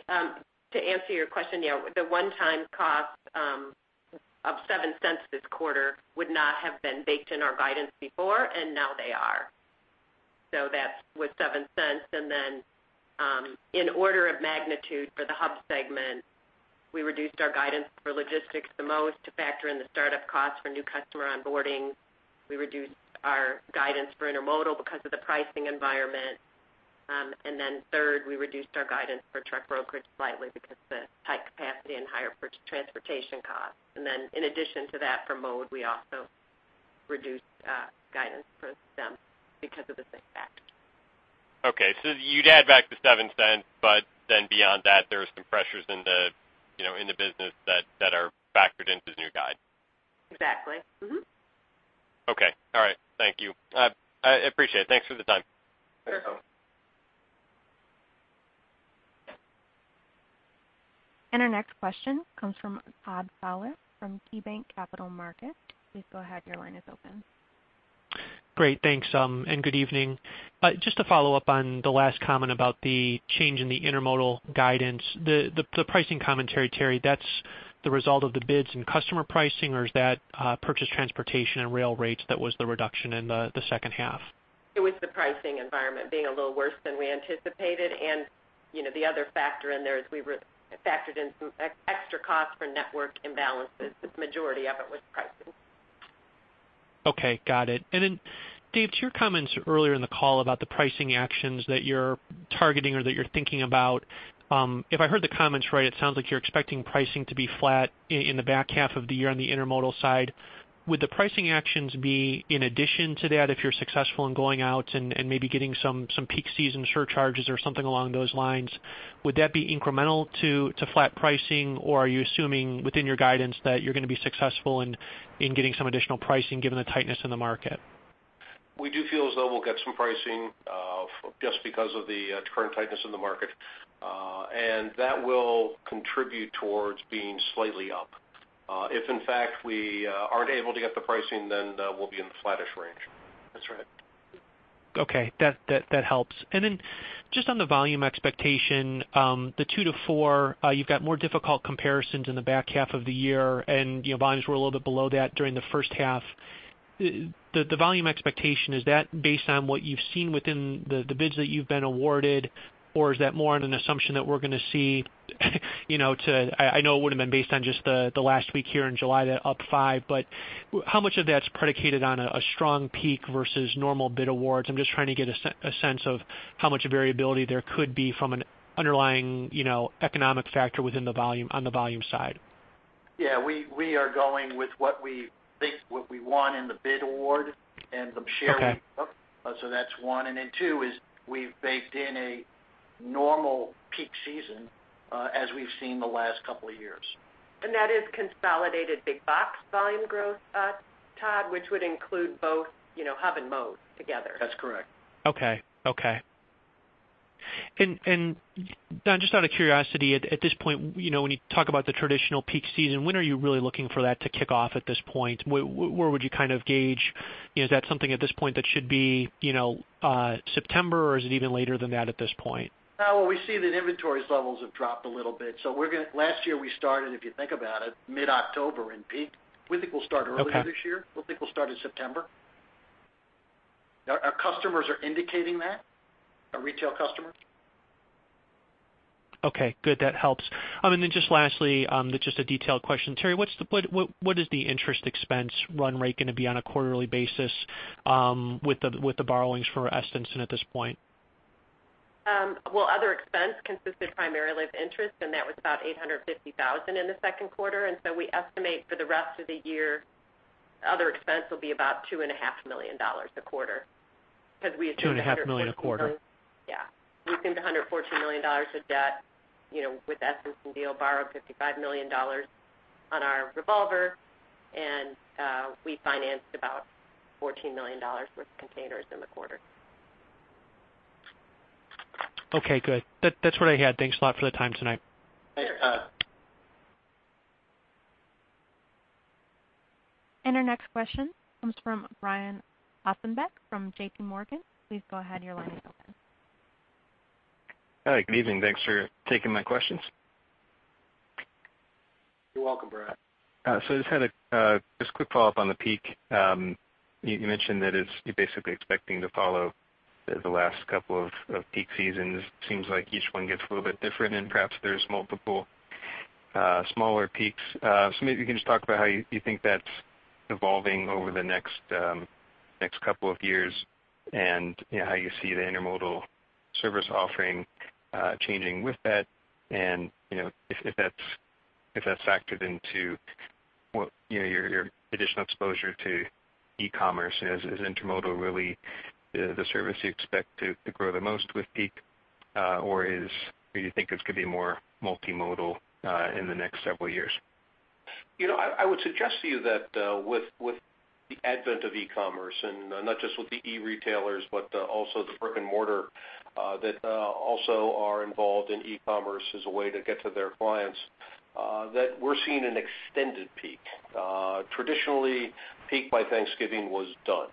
To answer your question, yeah, the one-time cost of $0.07 this quarter would not have been baked in our guidance before, and now they are. So that's with $0.07. And then, in order of magnitude for the Hub segment, we reduced our guidance for logistics the most to factor in the startup costs for new customer onboarding. We reduced our guidance for intermodal because of the pricing environment. And then third, we reduced our guidance for truck brokerage slightly because of the tight capacity and higher transportation costs. And then in addition to that, for mode, we also reduced guidance for them because of the same factors. Okay, so you'd add back the $0.07, but then beyond that, there are some pressures in the, you know, in the business that are factored into the new guide. Exactly. Mm-hmm. Okay. All right. Thank you. I appreciate it. Thanks for the time. You're welcome. Our next question comes from Todd Fowler from KeyBanc Capital Markets. Please go ahead. Your line is open. Great, thanks, and good evening. Just to follow up on the last comment about the change in the intermodal guidance. The pricing commentary, Terri, that's the result of the bids and customer pricing, or is that purchase transportation and rail rates that was the reduction in the second half? It was the pricing environment being a little worse than we anticipated. You know, the other factor in there is we refactored in some extra costs for network imbalances. The majority of it was pricing. Okay, got it. And then, Dave, to your comments earlier in the call about the pricing actions that you're targeting or that you're thinking about, if I heard the comments right, it sounds like you're expecting pricing to be flat in the back half of the year on the intermodal side. Would the pricing actions be in addition to that, if you're successful in going out and maybe getting some peak season surcharges or something along those lines? Would that be incremental to flat pricing, or are you assuming within your guidance that you're going to be successful in getting some additional pricing, given the tightness in the market? We do feel as though we'll get some pricing, just because of the current tightness in the market. That will contribute toward being slightly up. If in fact we aren't able to get the pricing, then we'll be in the flattish range. That's right. Okay, that helps. And then just on the volume expectation, the 2-4, you've got more difficult comparisons in the back half of the year, and, you know, volumes were a little bit below that during the first half. The volume expectation, is that based on what you've seen within the bids that you've been awarded? Or is that more on an assumption that we're gonna see, you know, I know it would have been based on just the last week here in July, that up 5, but how much of that's predicated on a strong peak versus normal bid awards? I'm just trying to get a sense of how much variability there could be from an underlying, you know, economic factor within the volume, on the volume side. Yeah, we are going with what we think, what we won in the bid award and the sharing. Okay. So that's one, and then two is we've baked in a normal peak season, as we've seen the last couple of years. That is consolidated big-box volume growth, Todd, which would include both, you know, Hub and Mode together. That's correct. Okay. Okay. And, Don, just out of curiosity, at this point, you know, when you talk about the traditional peak season, when are you really looking for that to kick off at this point? Where would you kind of gauge... Is that something at this point that should be, you know, September, or is it even later than that at this point? Well, we see that inventory levels have dropped a little bit, so last year, we started, if you think about it, mid-October in peak. Okay. We think we'll start earlier this year. We think we'll start in September. Our customers are indicating that, our retail customers. Okay, good. That helps. And then just lastly, just a detailed question. Terri, what's the interest expense run rate gonna be on a quarterly basis, with the borrowings for Estenson at this point? Well, other expense consisted primarily of interest, and that was about $850,000 in the second quarter. And so we estimate for the rest of the year, other expense will be about $2.5 million a quarter, because we- $2.5 million a quarter. Yeah. We assumed $114 million of debt, you know, with Estenson deal, borrowed $55 million on our revolver, and we financed about $14 million worth of containers in the quarter. Okay, good. That- that's what I had. Thanks a lot for the time tonight. Thanks, Todd. Our next question comes from Brian Ossenbeck, from J.P. Morgan. Please go ahead. Your line is open. Hi, good evening. Thanks for taking my questions. You're welcome, Brian. So I just had a quick follow-up on the peak. You mentioned that it's, you're basically expecting to follow the last couple of peak seasons. Seems like each one gets a little bit different, and perhaps there's multiple smaller peaks. So maybe you can just talk about how you think that's evolving over the next couple of years, and, you know, how you see the intermodal service offering changing with that, and, you know, if that's factored into what, you know, your additional exposure to e-commerce. Is intermodal really the service you expect to grow the most with peak, or do you think it's gonna be more multimodal in the next several years? You know, I would suggest to you that, with the advent of e-commerce, and, not just with the e-retailers, but, also the brick-and-mortar, that, also are involved in e-commerce as a way to get to their clients, that we're seeing an extended peak. Traditionally, peak by Thanksgiving was done.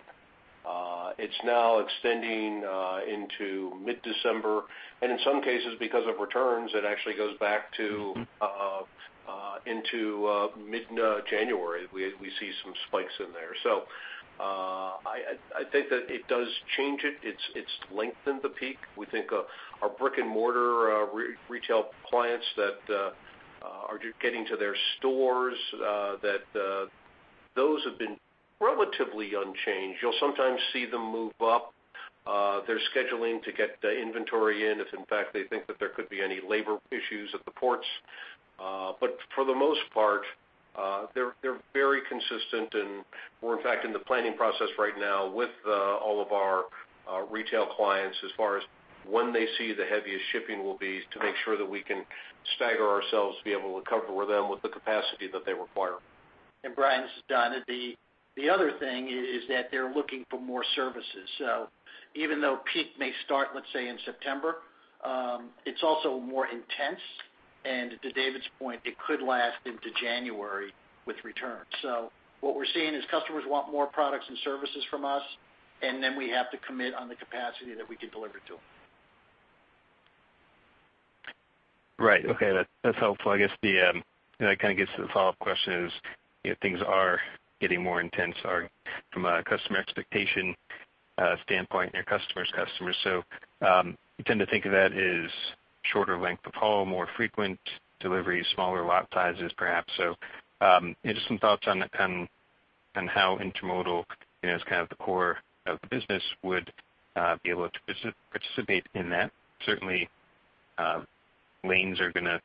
It's now extending into mid-December, and in some cases, because of returns, it actually goes back to... Into mid January. We see some spikes in there. So, I think that it does change it. It's lengthened the peak. We think our brick-and-mortar retail clients that are getting to their stores, that those have been relatively unchanged. You'll sometimes see them move up their scheduling to get the inventory in, if in fact, they think that there could be any labor issues at the ports. But for the most part, they're very consistent, and we're in fact in the planning process right now with all of our retail clients as far as when they see the heaviest shipping will be, to make sure that we can stagger ourselves to be able to cover with them with the capacity that they require. And Brian, this is Don, the other thing is that they're looking for more services. So even though peak may start, let's say, in September, it's also more intense, and to David's point, it could last into January with returns. So what we're seeing is customers want more products and services from us, and then we have to commit on the capacity that we can deliver to them. Right. Okay, that, that's helpful. I guess and that kind of gets to the follow-up question is, you know, things are getting more intense are from a customer expectation standpoint and your customer's customers. So, you tend to think of that as shorter length of haul, more frequent deliveries, smaller lot sizes, perhaps. So, just some thoughts on how intermodal, you know, as kind of the core of the business, would be able to participate in that. Certainly, lanes are gonna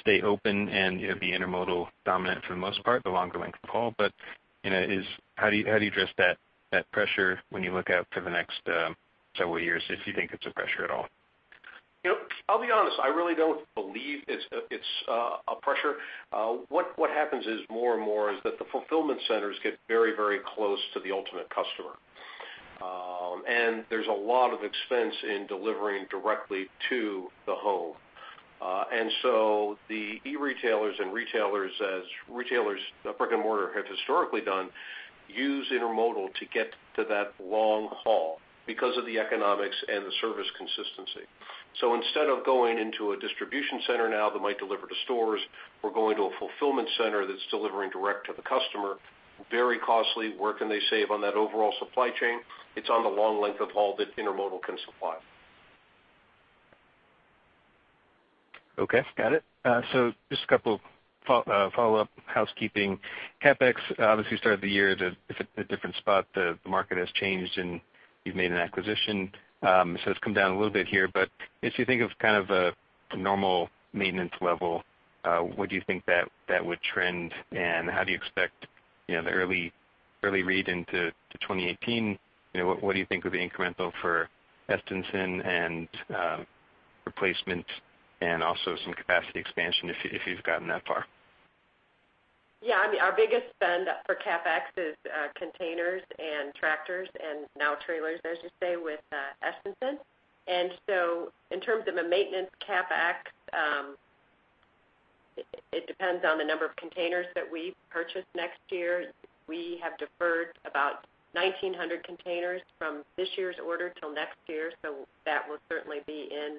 stay open and, you know, be intermodal dominant for the most part, the longer length of haul. But, you know, is how do you, how do you address that, that pressure when you look out for the next several years, if you think it's a pressure at all? You know, I'll be honest, I really don't believe it's a pressure. What happens is more and more is that the fulfillment centers get very, very close to the ultimate customer. And there's a lot of expense in delivering directly to the home. and so the e-retailers and retailers, as retailers, brick-and-mortar, have historically done, use intermodal to get to that long haul because of the economics and the service consistency. So instead of going into a distribution center now that might deliver to stores, we're going to a fulfillment center that's delivering direct to the customer. Very costly. Where can they save on that overall supply chain? It's on the long length of haul that intermodal can supply. Okay, got it. So just a couple follow-up housekeeping. CapEx, obviously, you started the year at a, it's a different spot. The market has changed, and you've made an acquisition. So it's come down a little bit here, but if you think of kind of a normal maintenance level, what do you think that would trend? And how do you expect, you know, the early read into 2018, you know, what would be incremental for Estenson and replacement and also some capacity expansion if you've gotten that far? Yeah, I mean, our biggest spend for CapEx is containers and tractors, and now trailers, I should say, with Estenson. And so in terms of a maintenance CapEx, it depends on the number of containers that we purchase next year. We have deferred about 1,900 containers from this year's order till next year, so that will certainly be in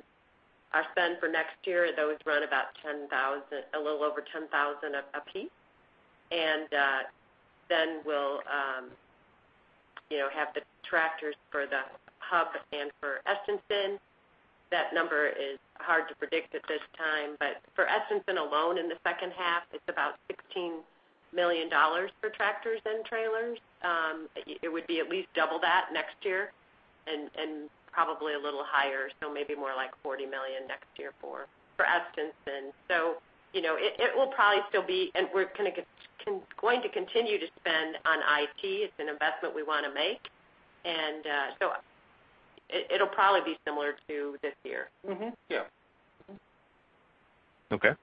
our spend for next year. Those run about $10,000, a little over $10,000 apiece. And then we'll, you know, have the tractors for the Hub and for Estenson. That number is hard to predict at this time, but for Estenson alone, in the second half, it's about $16 million for tractors and trailers. It would be at least double that next year and probably a little higher, so maybe more like $40 million next year for Estenson. So, you know, it will probably still be... And we're kind of going to continue to spend on IT. It's an investment we want to make. And so it, it'll probably be similar to this year. Mm-hmm. Yeah. Okay.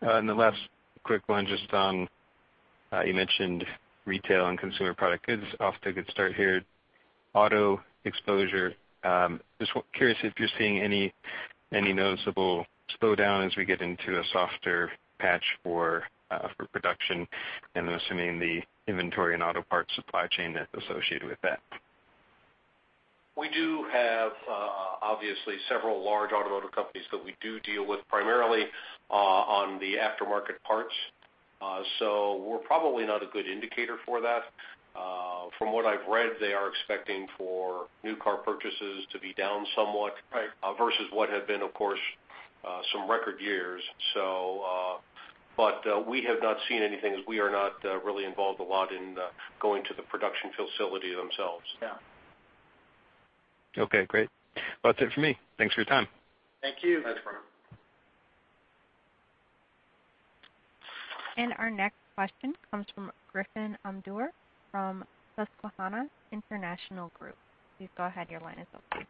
And the last quick one, just on, you mentioned retail and consumer product goods off to a good start here. Auto exposure, just curious if you're seeing any noticeable slowdown as we get into a softer patch for production, and I'm assuming the inventory and auto parts supply chain that's associated with that? We do have, obviously, several large automotive companies that we do deal with, primarily, on the aftermarket parts. So we're probably not a good indicator for that. From what I've read, they are expecting for new car purchases to be down somewhat- Right. versus what had been, of course, some record years. So, but, we have not seen anything, as we are not really involved a lot in going to the production facility themselves. Yeah. Okay, great. Well, that's it for me. Thanks for your time. Thank you. Thanks, Brian. Our next question comes from Griffin Undur from Susquehanna International Group. Please go ahead. Your line is open.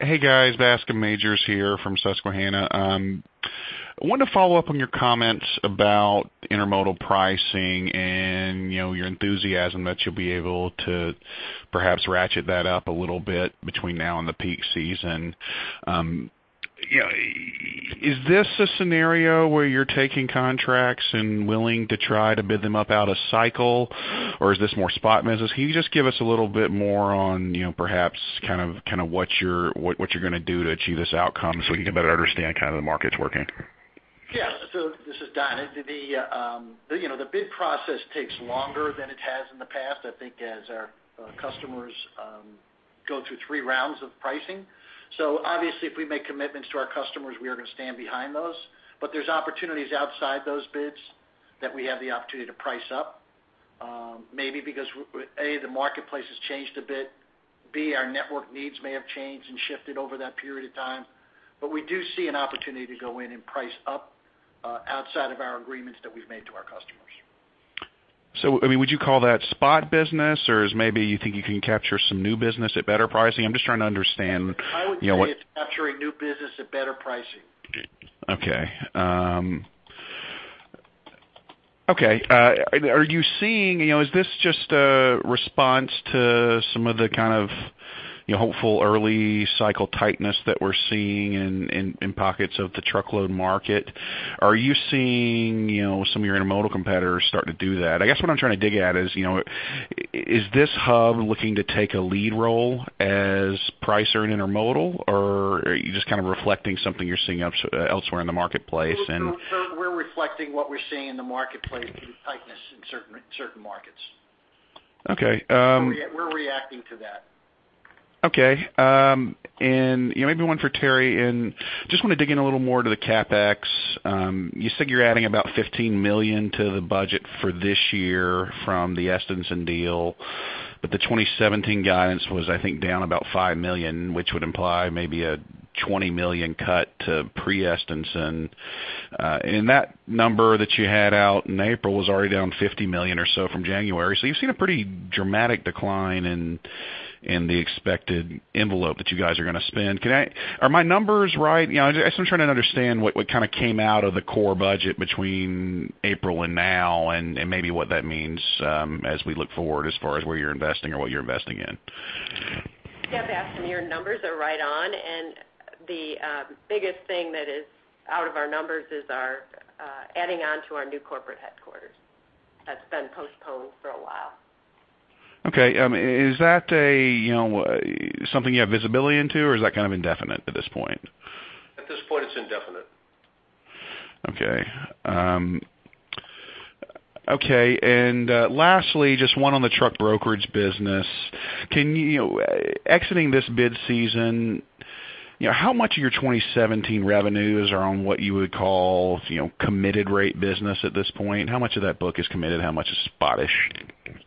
Hey, guys, Bascome Majors here from Susquehanna. I wanted to follow up on your comments about intermodal pricing and, you know, your enthusiasm that you'll be able to perhaps ratchet that up a little bit between now and the peak season. You know, is this a scenario where you're taking contracts and willing to try to bid them up out of cycle, or is this more spot business? Can you just give us a little bit more on, you know, perhaps kind of what you're going to do to achieve this outcome so we can better understand kind of the markets working? Yeah. So this is Don. The, you know, the bid process takes longer than it has in the past, I think, as our customers go through three rounds of pricing. So obviously, if we make commitments to our customers, we are going to stand behind those. But there's opportunities outside those bids that we have the opportunity to price up, maybe because, a, the marketplace has changed a bit, b, our network needs may have changed and shifted over that period of time. But we do see an opportunity to go in and price up, outside of our agreements that we've made to our customers. So, I mean, would you call that spot business, or is maybe you think you can capture some new business at better pricing? I'm just trying to understand, you know, what- I would say it's capturing new business at better pricing. Okay. Okay, are you seeing... You know, is this just a response to some of the kind of, you know, hopeful early cycle tightness that we're seeing in pockets of the truckload market? Are you seeing, you know, some of your intermodal competitors start to do that? I guess what I'm trying to dig at is, you know, is this Hub looking to take a lead role as pricer in intermodal, or are you just kind of reflecting something you're seeing elsewhere in the marketplace and- So, we're reflecting what we're seeing in the marketplace, the tightness in certain markets. Okay, um- We're reacting to that. Okay, and, you know, maybe one for Terri, and just want to dig in a little more to the CapEx. You said you're adding about $15 million to the budget for this year from the Estenson deal, but the 2017 guidance was, I think, down about $5 million, which would imply maybe a $20 million cut to pre-Estenson. And that number that you had out in April was already down $50 million or so from January. So you've seen a pretty dramatic decline in the expected envelope that you guys are going to spend. Can I... Are my numbers right? You know, I'm just trying to understand what kind of came out of the core budget between April and now, and maybe what that means as we look forward, as far as where you're investing or what you're investing in.... Yep, your numbers are right on, and the biggest thing that is out of our numbers is our adding on to our new corporate headquarters. That's been postponed for a while. Okay. Is that a, you know, something you have visibility into, or is that kind of indefinite at this point? At this point, it's indefinite. Okay. Okay, and, lastly, just one on the truck brokerage business. Can you, exiting this bid season, you know, how much of your 2017 revenues are on what you would call, you know, committed rate business at this point? How much of that book is committed? How much is spot-ish?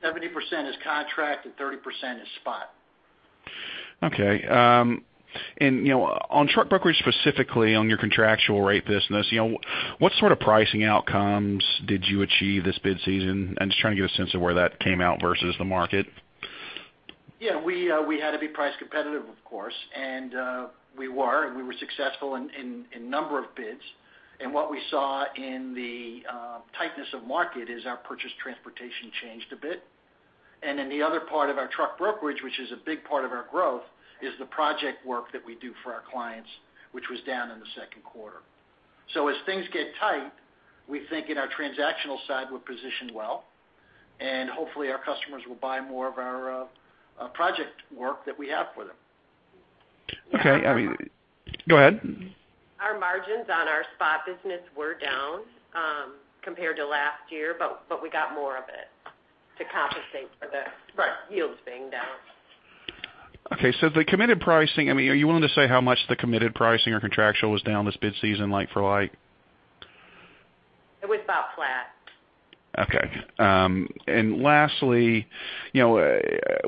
70% is contracted, 30% is spot. Okay, you know, on truck brokerage, specifically on your contractual rate business, you know, what sort of pricing outcomes did you achieve this bid season? I'm just trying to get a sense of where that came out versus the market. Yeah, we, we had to be price competitive, of course, and, we were, and we were successful in, in, in number of bids. And what we saw in the, tightness of market is our purchase transportation changed a bit. And then the other part of our truck brokerage, which is a big part of our growth, is the project work that we do for our clients, which was down in the second quarter. So as things get tight, we think in our transactional side, we're positioned well, and hopefully, our customers will buy more of our, project work that we have for them. Okay. I mean... Go ahead. Our margins on our spot business were down, compared to last year, but we got more of it to compensate for the freight yields being down. Okay, so the committed pricing, I mean, are you willing to say how much the committed pricing or contractual was down this bid season, like for like? It was about flat. Okay. Lastly, you know,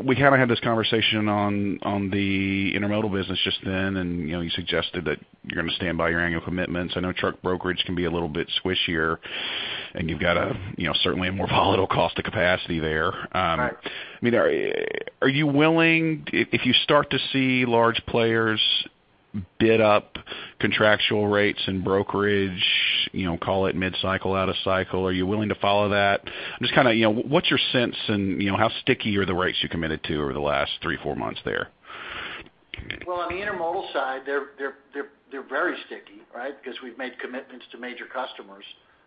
we kind of had this conversation on the intermodal business just then, and, you know, you suggested that you're gonna stand by your annual commitments. I know truck brokerage can be a little bit squishier, and you've got, you know, certainly a more volatile cost of capacity there. Right. I mean, are you willing, if, if you start to see large players bid up contractual rates and brokerage, you know, call it mid-cycle, out of cycle, are you willing to follow that? Just kind of, you know, what's your sense and, you know, how sticky are the rates you committed to over the last three, four months there? Well, on the intermodal side, they're very sticky, right? Because we've made commitments to major customers,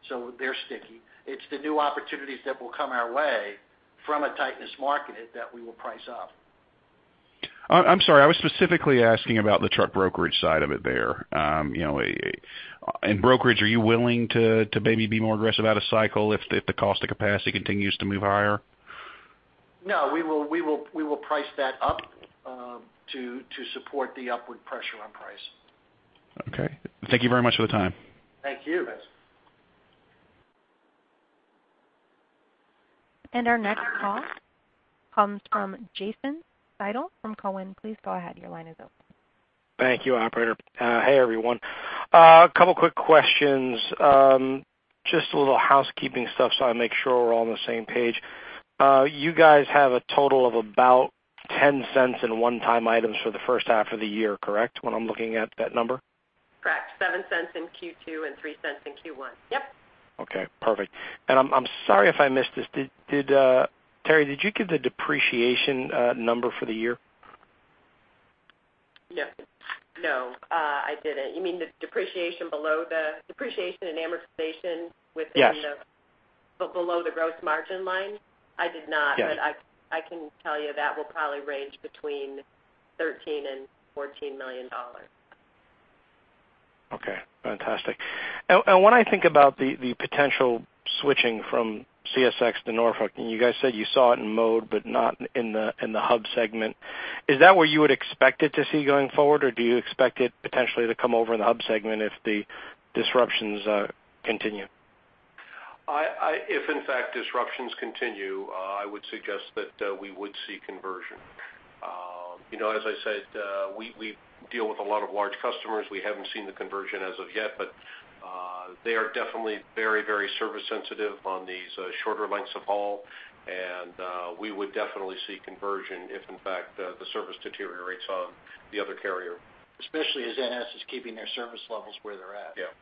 so they're sticky. It's the new opportunities that will come our way from a tightness market that we will price up. I'm sorry. I was specifically asking about the truck brokerage side of it there. You know, in brokerage, are you willing to, to maybe be more aggressive out of cycle if the, if the cost of capacity continues to move higher? No, we will price that up to support the upward pressure on price. Okay. Thank you very much for the time. Thank you. Thanks. Our next call comes from Jason Seidel from Cowen. Please go ahead. Your line is open. Thank you, operator. Hey, everyone. A couple quick questions. Just a little housekeeping stuff, so I make sure we're all on the same page. You guys have a total of about $0.10 in one-time items for the first half of the year, correct, when I'm looking at that number? Correct. $0.07 in Q2 and $0.03 in Q1. Yep. Okay, perfect. I'm sorry if I missed this. Did Terri give the depreciation number for the year? No. No, I didn't. You mean the depreciation below the depreciation and amortization within the- Yes. But below the gross margin line? I did not. Yes. I can tell you that will probably range between $13 million and $14 million. Okay, fantastic. And when I think about the potential switching from CSX to Norfolk, and you guys said you saw it in Mode, but not in the Hub segment, is that where you would expect it to see going forward, or do you expect it potentially to come over in the Hub segment if the disruptions continue? If in fact, disruptions continue, I would suggest that we would see conversion. You know, as I said, we deal with a lot of large customers. We haven't seen the conversion as of yet, but they are definitely very, very service sensitive on these shorter lengths of haul, and we would definitely see conversion if in fact, the service deteriorates on the other carrier. Especially as NS is keeping their service levels where they're at. Yeah,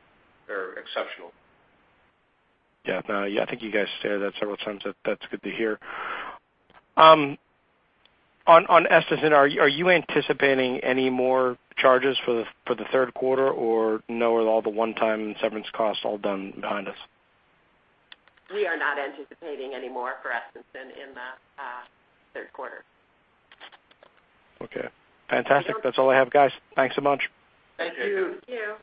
they're exceptional. Yeah. Yeah, I think you guys said that several times. That's good to hear. On Estenson, are you anticipating any more charges for the third quarter, or no, are all the one-time severance costs all done behind us? We are not anticipating any more for Estenson in the third quarter. Okay, fantastic. That's all I have, guys. Thanks a bunch. Thank you. Thank you.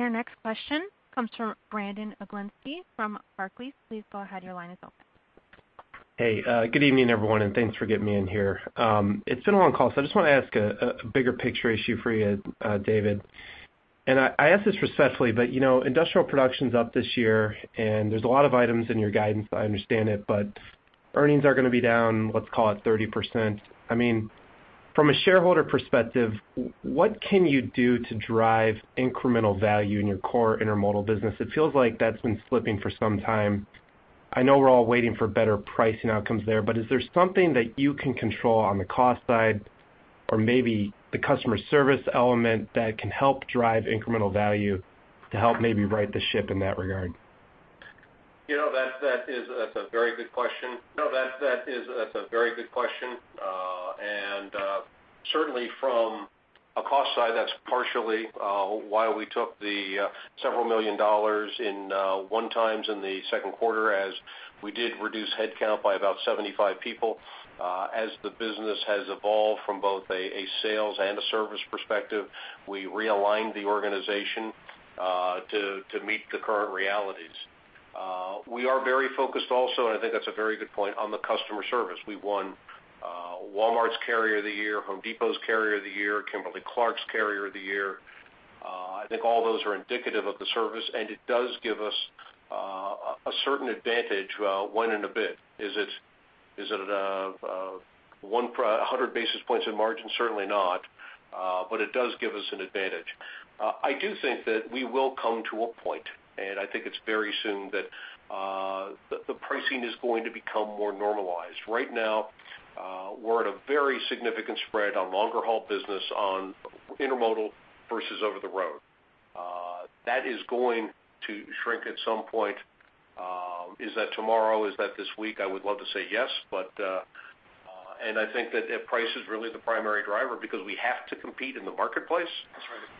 Our next question comes from Brandon Oglenski from Barclays. Please go ahead. Your line is open. Hey, good evening, everyone, and thanks for getting me in here. It's been a long call, so I just want to ask a bigger picture issue for you, David. I ask this respectfully, but, you know, industrial production's up this year, and there's a lot of items in your guidance, I understand it, but earnings are going to be down, let's call it 30%. I mean, from a shareholder perspective, what can you do to drive incremental value in your core intermodal business? It feels like that's been slipping for some time. I know we're all waiting for better pricing outcomes there, but is there something that you can control on the cost side or maybe the customer service element that can help drive incremental value to help maybe right the ship in that regard?... You know, that's a very good question. That's a very good question. And certainly from a cost side, that's partially why we took the $several million in one-times in the second quarter, as we did reduce headcount by about 75 people. As the business has evolved from both a sales and a service perspective, we realigned the organization to meet the current realities. We are very focused also, and I think that's a very good point, on the customer service. We won Walmart's Carrier of the Year, Home Depot's Carrier of the Year, Kimberly-Clark's Carrier of the Year. I think all those are indicative of the service, and it does give us a certain advantage when in a bid. Is it one hundred basis points in margin? Certainly not, but it does give us an advantage. I do think that we will come to a point, and I think it's very soon, that the pricing is going to become more normalized. Right now, we're at a very significant spread on longer haul business on intermodal versus over-the-road. That is going to shrink at some point. Is that tomorrow? Is that this week? I would love to say yes, but, and I think that if price is really the primary driver, because we have to compete in the marketplace. That's right.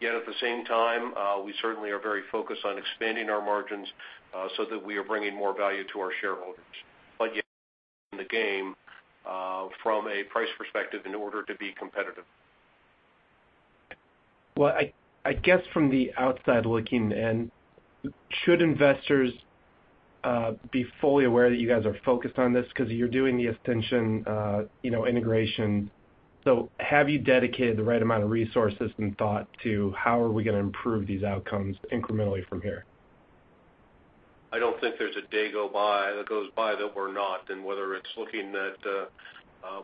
Yet at the same time, we certainly are very focused on expanding our margins, so that we are bringing more value to our shareholders. But yet in the game, from a price perspective in order to be competitive. Well, I, I guess from the outside looking in, should investors be fully aware that you guys are focused on this? 'Cause you're doing the Estenson, you know, integration. So have you dedicated the right amount of resources and thought to how are we gonna improve these outcomes incrementally from here? I don't think there's a day that goes by that we're not, and whether it's looking at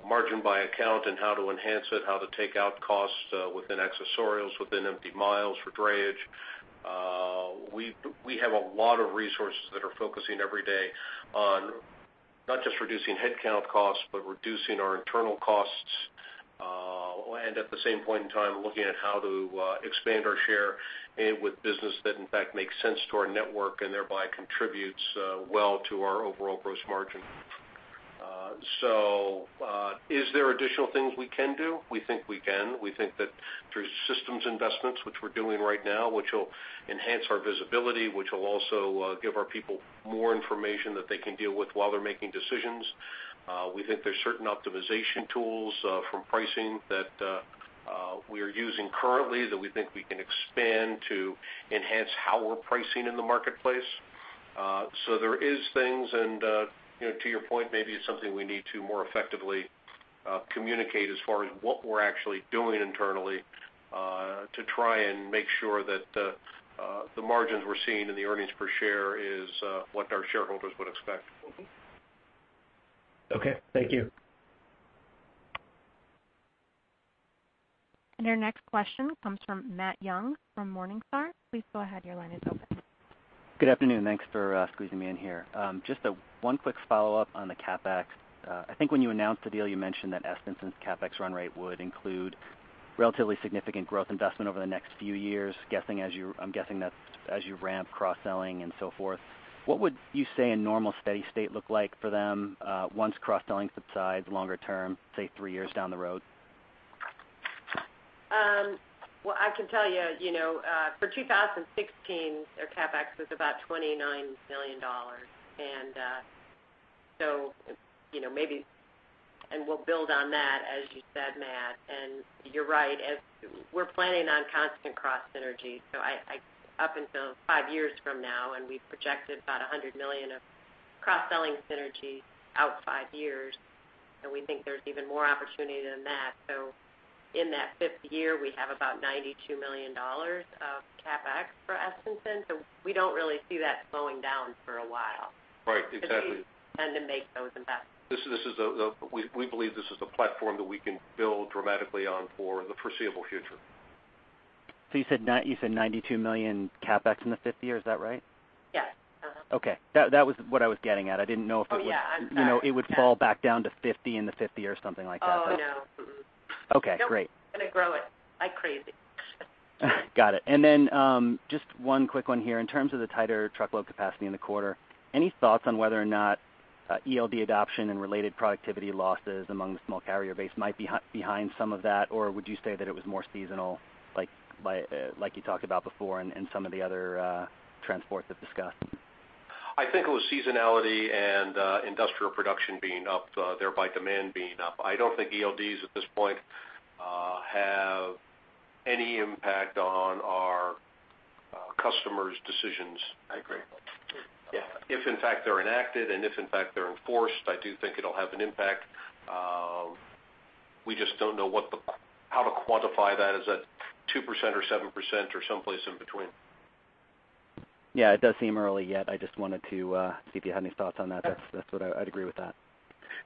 margin by account and how to enhance it, how to take out costs within accessorials, within empty miles for drayage. We have a lot of resources that are focusing every day on not just reducing headcount costs, but reducing our internal costs, and at the same point in time, looking at how to expand our share and with business that, in fact, makes sense to our network and thereby contributes well to our overall gross margin. So, is there additional things we can do? We think we can. We think that through systems investments, which we're doing right now, which will enhance our visibility, which will also give our people more information that they can deal with while they're making decisions. We think there's certain optimization tools from pricing that we are using currently that we think we can expand to enhance how we're pricing in the marketplace. So there is things and, you know, to your point, maybe it's something we need to more effectively communicate as far as what we're actually doing internally to try and make sure that the margins we're seeing in the earnings per share is what our shareholders would expect. Okay. Thank you. Our next question comes from Matt Young from Morningstar. Please go ahead, your line is open. Good afternoon, and thanks for squeezing me in here. Just a one quick follow-up on the CapEx. I think when you announced the deal, you mentioned that Estenson's CapEx run rate would include relatively significant growth investment over the next few years, guessing as you-- I'm guessing that's as you ramp cross-selling and so forth. What would you say a normal steady state look like for them, once cross-selling subsides longer term, say, three years down the road? Well, I can tell you, you know, for 2016, their CapEx was about $29 million. And, so, you know, maybe... And we'll build on that, as you said, Matt, and you're right, as we're planning on constant cross synergy. So I up until five years from now, and we've projected about $100 million of cross-selling synergy out five years, and we think there's even more opportunity than that. So in that fifth year, we have about $92 million of CapEx for Estenson, so we don't really see that slowing down for a while. Right. Exactly. To make those investments. We believe this is a platform that we can build dramatically on for the foreseeable future. So you said $92 million CapEx in the fifth year, is that right? Yes. Uh-huh. Okay. That, that was what I was getting at. I didn't know if it would- Oh, yeah. I'm sorry. You know, it would fall back down to 50 in the fifth year or something like that. Oh, no. Mm-mm. Okay, great. Gonna grow it like crazy. Got it. And then, just one quick one here. In terms of the tighter truckload capacity in the quarter, any thoughts on whether or not, ELD adoption and related productivity losses among the small carrier base might be behind some of that? Or would you say that it was more seasonal, like by, like you talked about before and, and some of the other, transports have discussed? I think it was seasonality and industrial production being up, thereby demand being up. I don't think ELDs at this point have any impact on our customers' decisions. I agree. Yeah. If, in fact, they're enacted, and if, in fact, they're enforced, I do think it'll have an impact. We just don't know how to quantify that. Is that 2% or 7% or someplace in between? Yeah, it does seem early yet. I just wanted to see if you had any thoughts on that. That's, that's what I'd agree with that.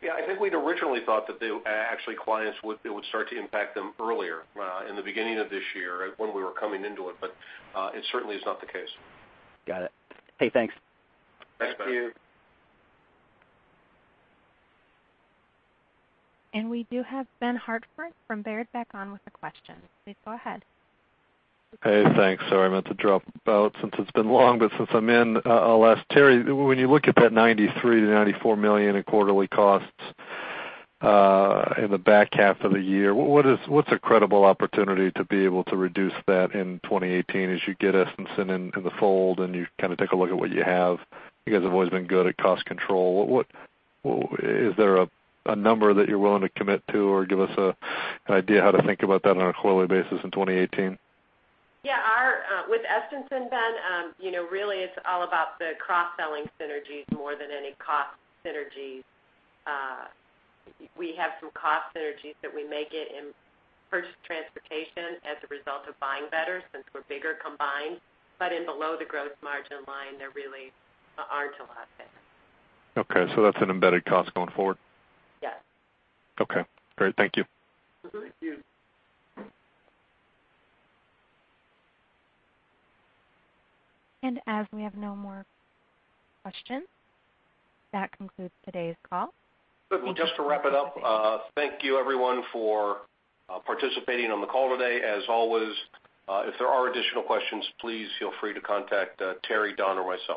Yeah, I think we'd originally thought that, actually, it would start to impact them earlier in the beginning of this year when we were coming into it, but it certainly is not the case. Got it. Hey, thanks. Thank you. We do have Ben Hartford from Baird back on with a question. Please go ahead. Hey, thanks. Sorry, I meant to drop out since it's been long, but since I'm in, I'll ask Terri, when you look at that $93 million-$94 million in quarterly costs in the back half of the year, what's a credible opportunity to be able to reduce that in 2018 as you get Estenson in the fold, and you kind of take a look at what you have? You guys have always been good at cost control. What? Is there a number that you're willing to commit to or give us an idea how to think about that on a quarterly basis in 2018? Yeah, our with Estenson, Ben, you know, really it's all about the cross-selling synergies more than any cost synergies. We have some cost synergies that we may get in purchased transportation as a result of buying better since we're bigger combined. But below the gross margin line, there really aren't a lot there. Okay, so that's an embedded cost going forward? Yes. Okay, great. Thank you. Thank you. As we have no more questions, that concludes today's call. Just to wrap it up, thank you everyone for participating on the call today. As always, if there are additional questions, please feel free to contact Terri, Don, or myself.